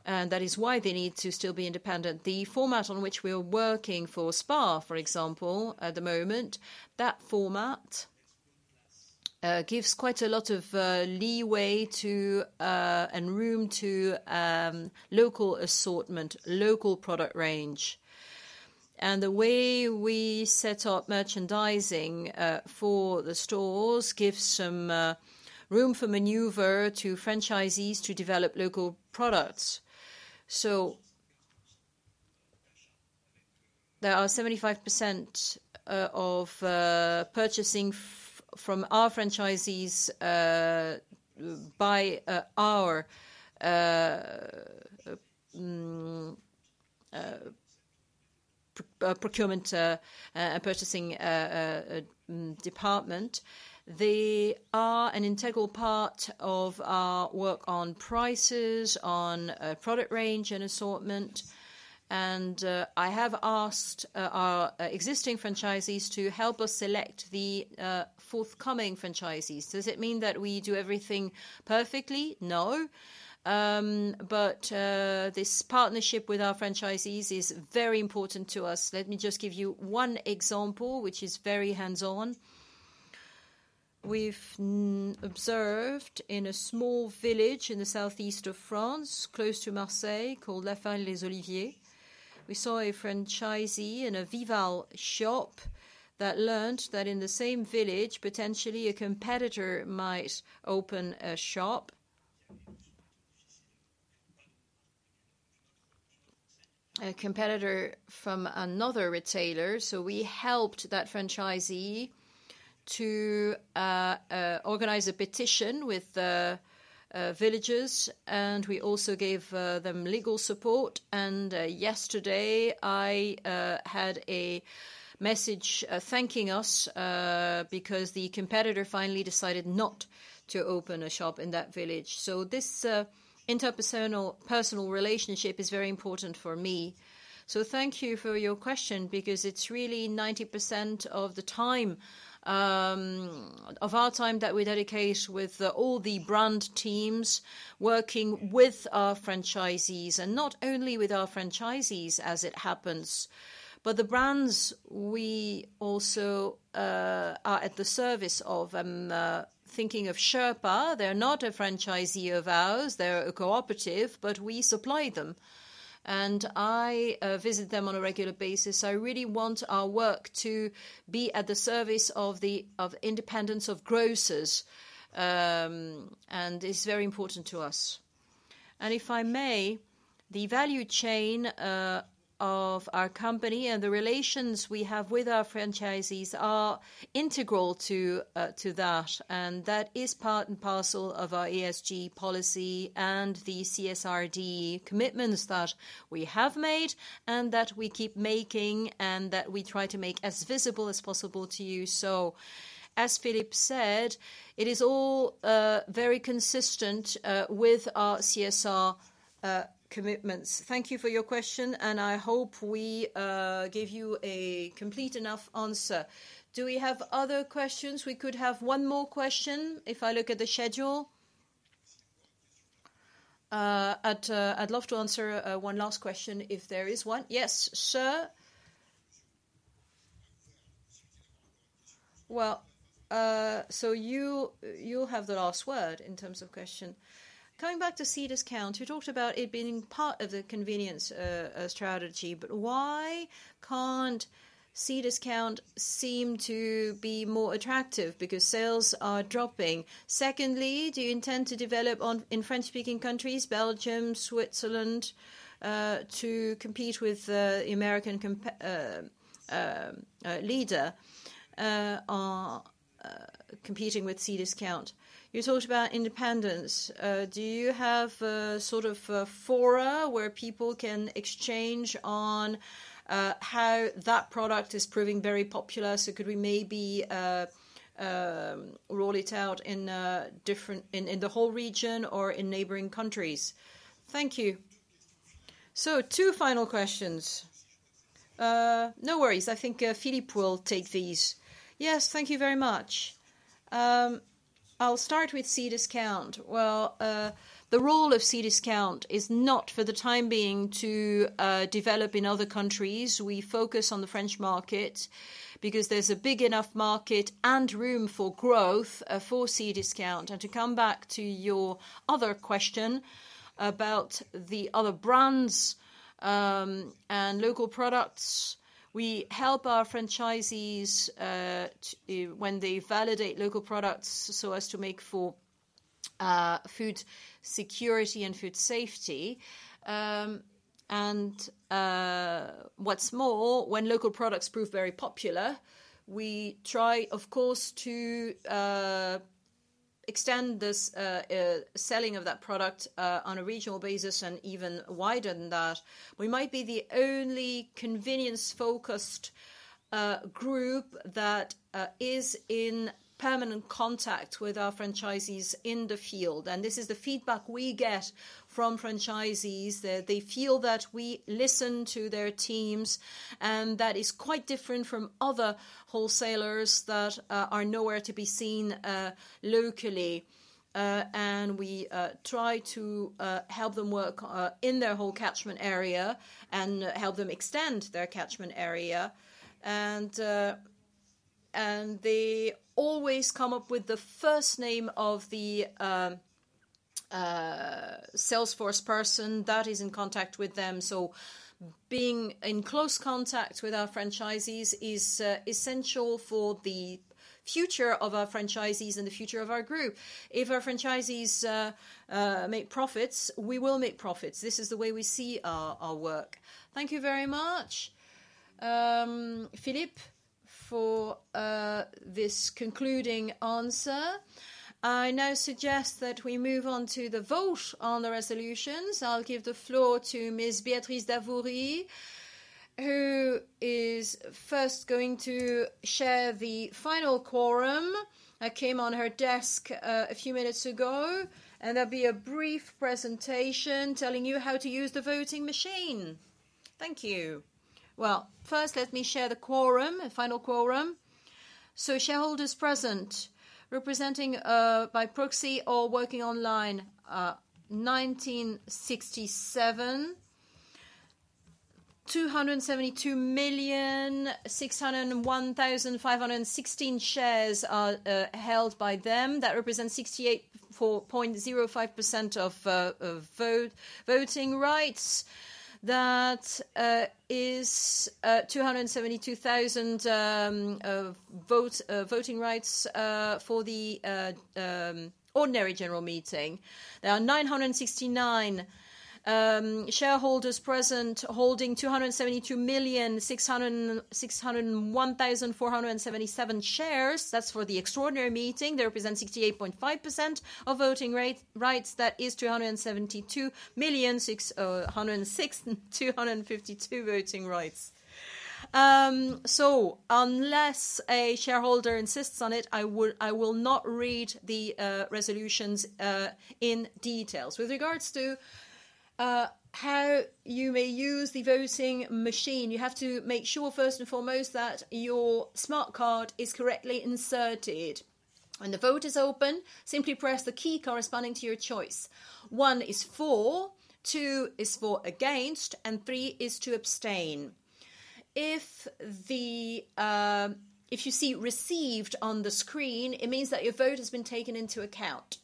That is why they need to still be independent. The format on which we are working for Spar, for example, at the moment, that format gives quite a lot of leeway and room to local assortment, local product range. The way we set up merchandising for the stores gives some room for maneuver to franchisees to develop local products. There are 75% of purchasing from our franchisees by our procurement and purchasing department. They are an integral part of our work on prices, on product range and assortment. I have asked our existing franchisees to help us select the forthcoming franchisees. Does it mean that we do everything perfectly? No. This partnership with our franchisees is very important to us. Let me just give you one example, which is very hands-on. We have observed in a small village in the southeast of France, close to Marseille, called La Penne-sur-Huveaune. We saw a franchisee in a Vival shop that learned that in the same village, potentially a competitor might open a shop, a competitor from another retailer. We helped that franchisee to organize a petition with the villagers, and we also gave them legal support. Yesterday, I had a message thanking us because the competitor finally decided not to open a shop in that village. This interpersonal relationship is very important for me. Thank you for your question because it's really 90% of our time that we dedicate with all the brand teams working with our franchisees, and not only with our franchisees as it happens, but the brands we also are at the service of. I'm thinking of Sherpa. They're not a franchisee of ours. They're a cooperative, but we supply them. I visit them on a regular basis. I really want our work to be at the service of the independence of grocers, and it's very important to us. If I may, the value chain of our company and the relations we have with our franchisees are integral to that. That is part and parcel of our ESG policy and the CSRD commitments that we have made and that we keep making and that we try to make as visible as possible to you. As Philippe said, it is all very consistent with our CSR commitments. Thank you for your question, and I hope we gave you a complete enough answer. Do we have other questions? We could have one more question if I look at the schedule. I'd love to answer one last question if there is one. Yes, sir. You have the last word in terms of question. Coming back to Cdiscount, you talked about it being part of the convenience strategy, but why can't Cdiscount seem to be more attractive because sales are dropping? Secondly, do you intend to develop in French-speaking countries, Belgium, Switzerland, to compete with the American leader competing with Cdiscount? You talked about independence. Do you have sort of a fora where people can exchange on how that product is proving very popular? Could we maybe roll it out in the whole region or in neighboring countries? Thank you. Two final questions. No worries. I think Philippe will take these. Yes, thank you very much. I'll start with Cdiscount. The role of Cdiscount is not for the time being to develop in other countries. We focus on the French market because there's a big enough market and room for growth for Cdiscount. To come back to your other question about the other brands and local products, we help our franchisees when they validate local products so as to make for food security and food safety. What's more, when local products prove very popular, we try, of course, to extend the selling of that product on a regional basis and even wider than that. We might be the only convenience-focused group that is in permanent contact with our franchisees in the field. This is the feedback we get from franchisees. They feel that we listen to their teams, and that is quite different from other wholesalers that are nowhere to be seen locally. We try to help them work in their whole catchment area and help them extend their catchment area. They always come up with the first name of the salesforce person that is in contact with them. Being in close contact with our franchisees is essential for the future of our franchisees and the future of our group. If our franchisees make profits, we will make profits. This is the way we see our work. Thank you very much, Philippe, for this concluding answer. I now suggest that we move on to the vote on the resolutions. I'll give the floor to Ms. Béatrice Davourie, who is first going to share the final quorum. It came on her desk a few minutes ago, and there'll be a brief presentation telling you how to use the voting machine. Thank you. First, let me share the quorum, final quorum. Shareholders present, representing by proxy or working online, 1,967, 272,601,516 shares held by them. That represents 68.05% of voting rights. That is 272,000 voting rights for the ordinary general meeting. There are 969 shareholders present holding 272,601,477 shares. That's for the extraordinary meeting. They represent 68.5% of voting rights. That is 272,606,252 voting rights. Unless a shareholder insists on it, I will not read the resolutions in detail. With regards to how you may use the voting machine, you have to make sure first and foremost that your smart card is correctly inserted. When the vote is open, simply press the key corresponding to your choice. One is for, two is for against, and three is to abstain. If you see received on the screen, it means that your vote has been taken into account.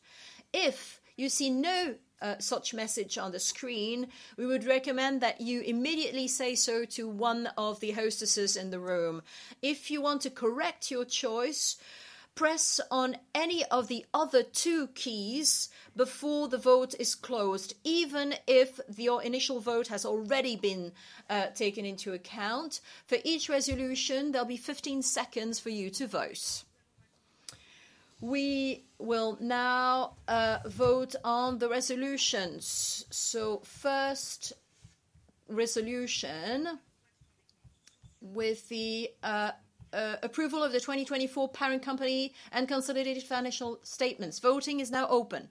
If you see no such message on the screen, we would recommend that you immediately say so to one of the hostesses in the room. If you want to correct your choice, press on any of the other two keys before the vote is closed, even if your initial vote has already been taken into account. For each resolution, there will be 15 seconds for you to vote. We will now vote on the resolutions. The first resolution is the approval of the 2024 parent company and consolidated financial statements. Voting is now open.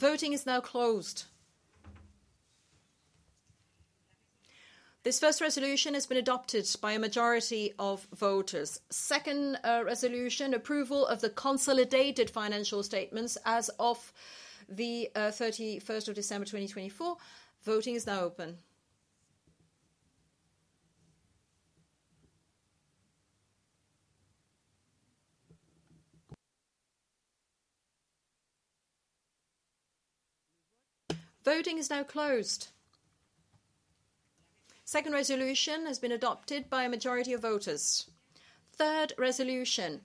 Voting is now closed. This first resolution has been adopted by a majority of voters. Second resolution, approval of the consolidated financial statements as of the 31st of December 2024. Voting is now open. Voting is now closed. Second resolution has been adopted by a majority of voters. Third resolution,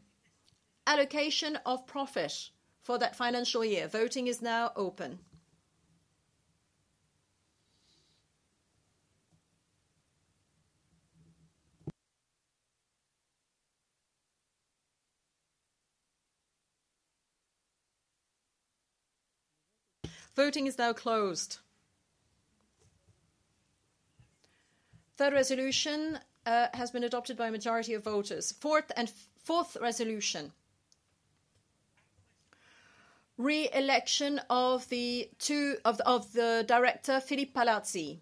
allocation of profit for that financial year. Voting is now open. Voting is now closed. Third resolution has been adopted by a majority of voters. Fourth resolution, re-election of the director, Philippe Palazzi.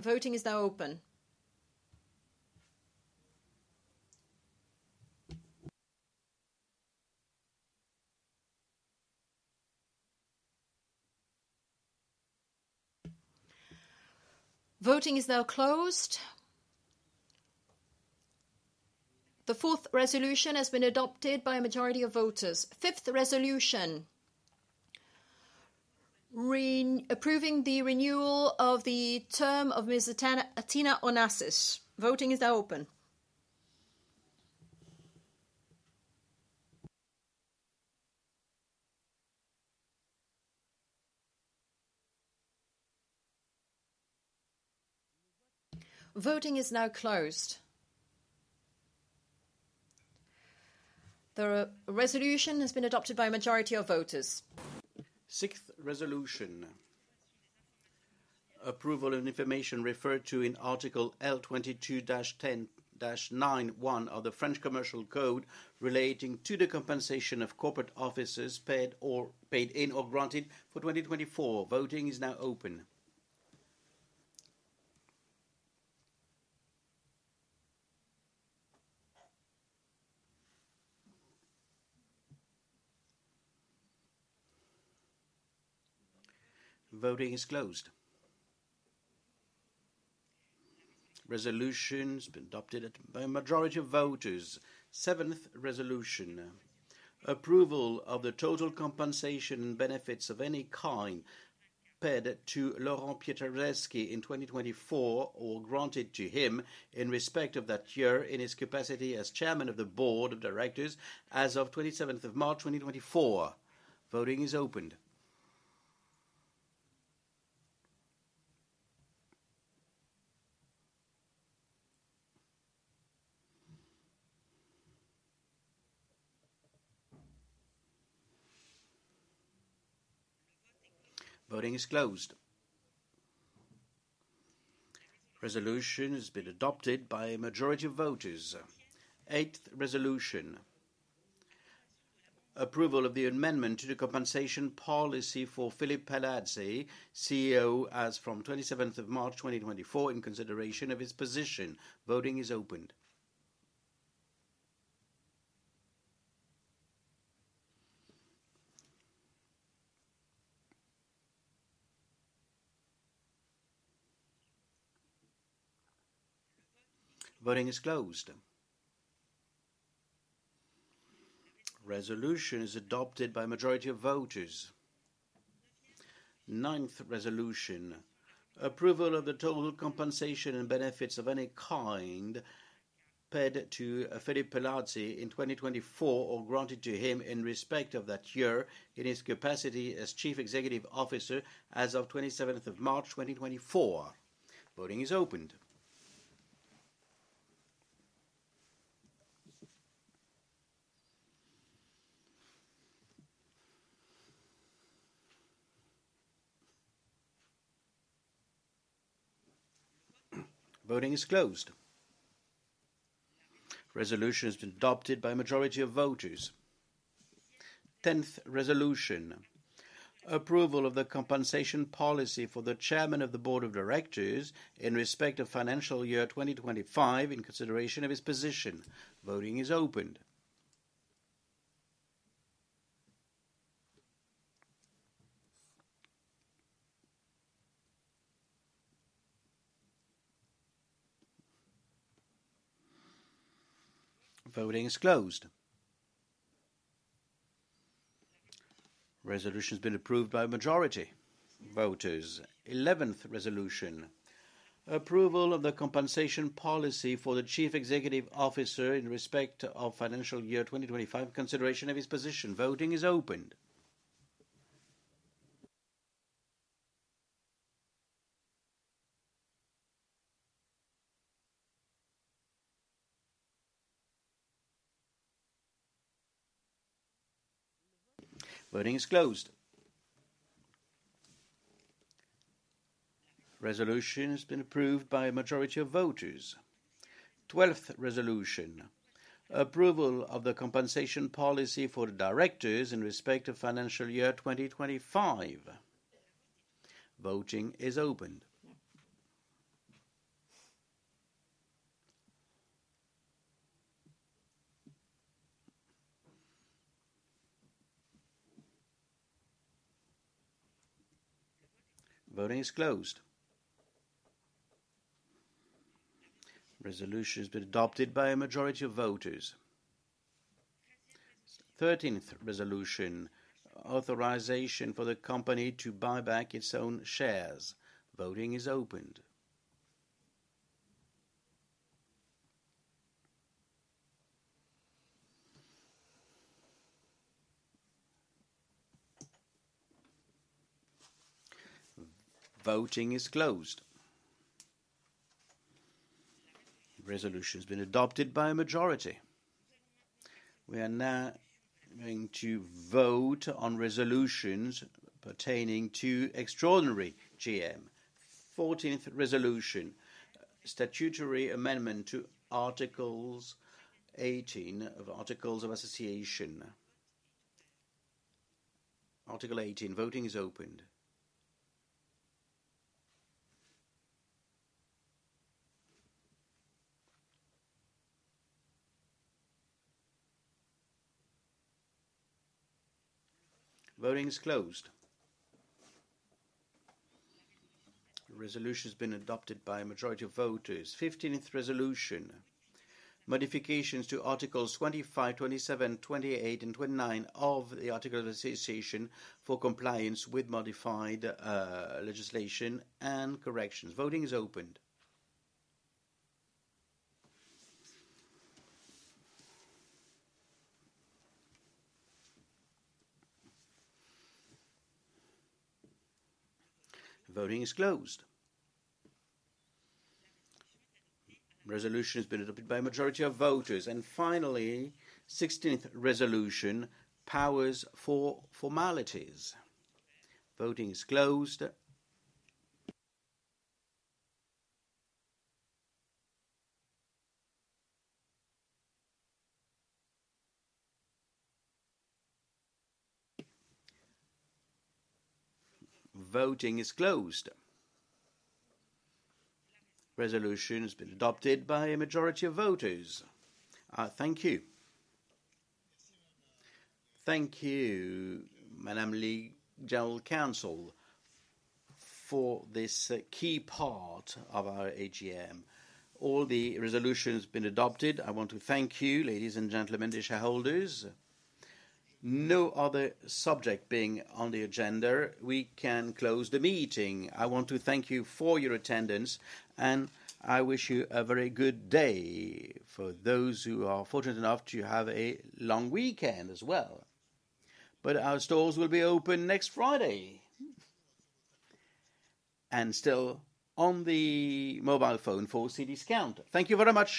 Voting is now open. Voting is now closed. The fourth resolution has been adopted by a majority of voters. Fifth resolution, approving the renewal of the term of Ms. Athena Onassis. Voting is now open. Voting is now closed. The resolution has been adopted by a majority of voters. Sixth resolution, approval of information referred to in Article L22-10-91 of the French Commercial Code relating to the compensation of corporate officers paid in or granted for 2024. Voting is now open. Voting is closed. Resolution has been adopted by a majority of voters. Seventh resolution, approval of the total compensation and benefits of any kind paid to Laurent Pietraszewski in 2024 or granted to him in respect of that year in his capacity as Chairman of the Board of Directors as of 27th of March 2024. Voting is opened. Voting is closed. Resolution has been adopted by a majority of voters. Eighth resolution, approval of the amendment to the compensation policy for Philippe Palazzi, CEO, as from 27th of March 2024 in consideration of his position. Voting is opened. Voting is closed. Resolution is adopted by a majority of voters. Ninth resolution, approval of the total compensation and benefits of any kind paid to Philippe Palazzi in 2024 or granted to him in respect of that year in his capacity as Chief Executive Officer as of 27th of March 2024. Voting is opened. Voting is closed. Resolution has been adopted by a majority of voters. Tenth resolution, approval of the compensation policy for the Chairman of the Board of Directors in respect of financial year 2025 in consideration of his position. Voting is opened. Voting is closed. Resolution has been approved by a majority of voters. Eleventh resolution, approval of the compensation policy for the Chief Executive Officer in respect of financial year 2025 in consideration of his position. Voting is opened. Voting is closed. Resolution has been approved by a majority of voters. Twelfth resolution, approval of the compensation policy for the directors in respect of financial year 2025. Voting is opened. Voting is closed. Resolution has been adopted by a majority of voters. Thirteenth resolution, authorization for the company to buy back its own shares. Voting is opened. Voting is closed. Resolution has been adopted by a majority. We are now going to vote on resolutions pertaining to extraordinary GM. Fourteenth resolution, statutory amendment to Article 18 of Articles of Association. Article 18, voting is opened. Voting is closed. Resolution has been adopted by a majority of voters. Fifteenth resolution, modifications to Articles 25, 27, 28, and 29 of the Article of Association for compliance with modified legislation and corrections. Voting is opened. Voting is closed. Resolution has been adopted by a majority of voters. Finally, sixteenth resolution, powers for formalities. Voting is closed. Voting is closed. Resolution has been adopted by a majority of voters. Thank you. Thank you, Madam Lee, General Counsel, for this key part of our AGM. All the resolutions have been adopted. I want to thank you, ladies and gentlemen, the shareholders. No other subject being on the agenda, we can close the meeting. I want to thank you for your attendance, and I wish you a very good day for those who are fortunate enough to have a long weekend as well. Our stores will be open next Friday. Still on the mobile phone for Cdiscount. Thank you very much.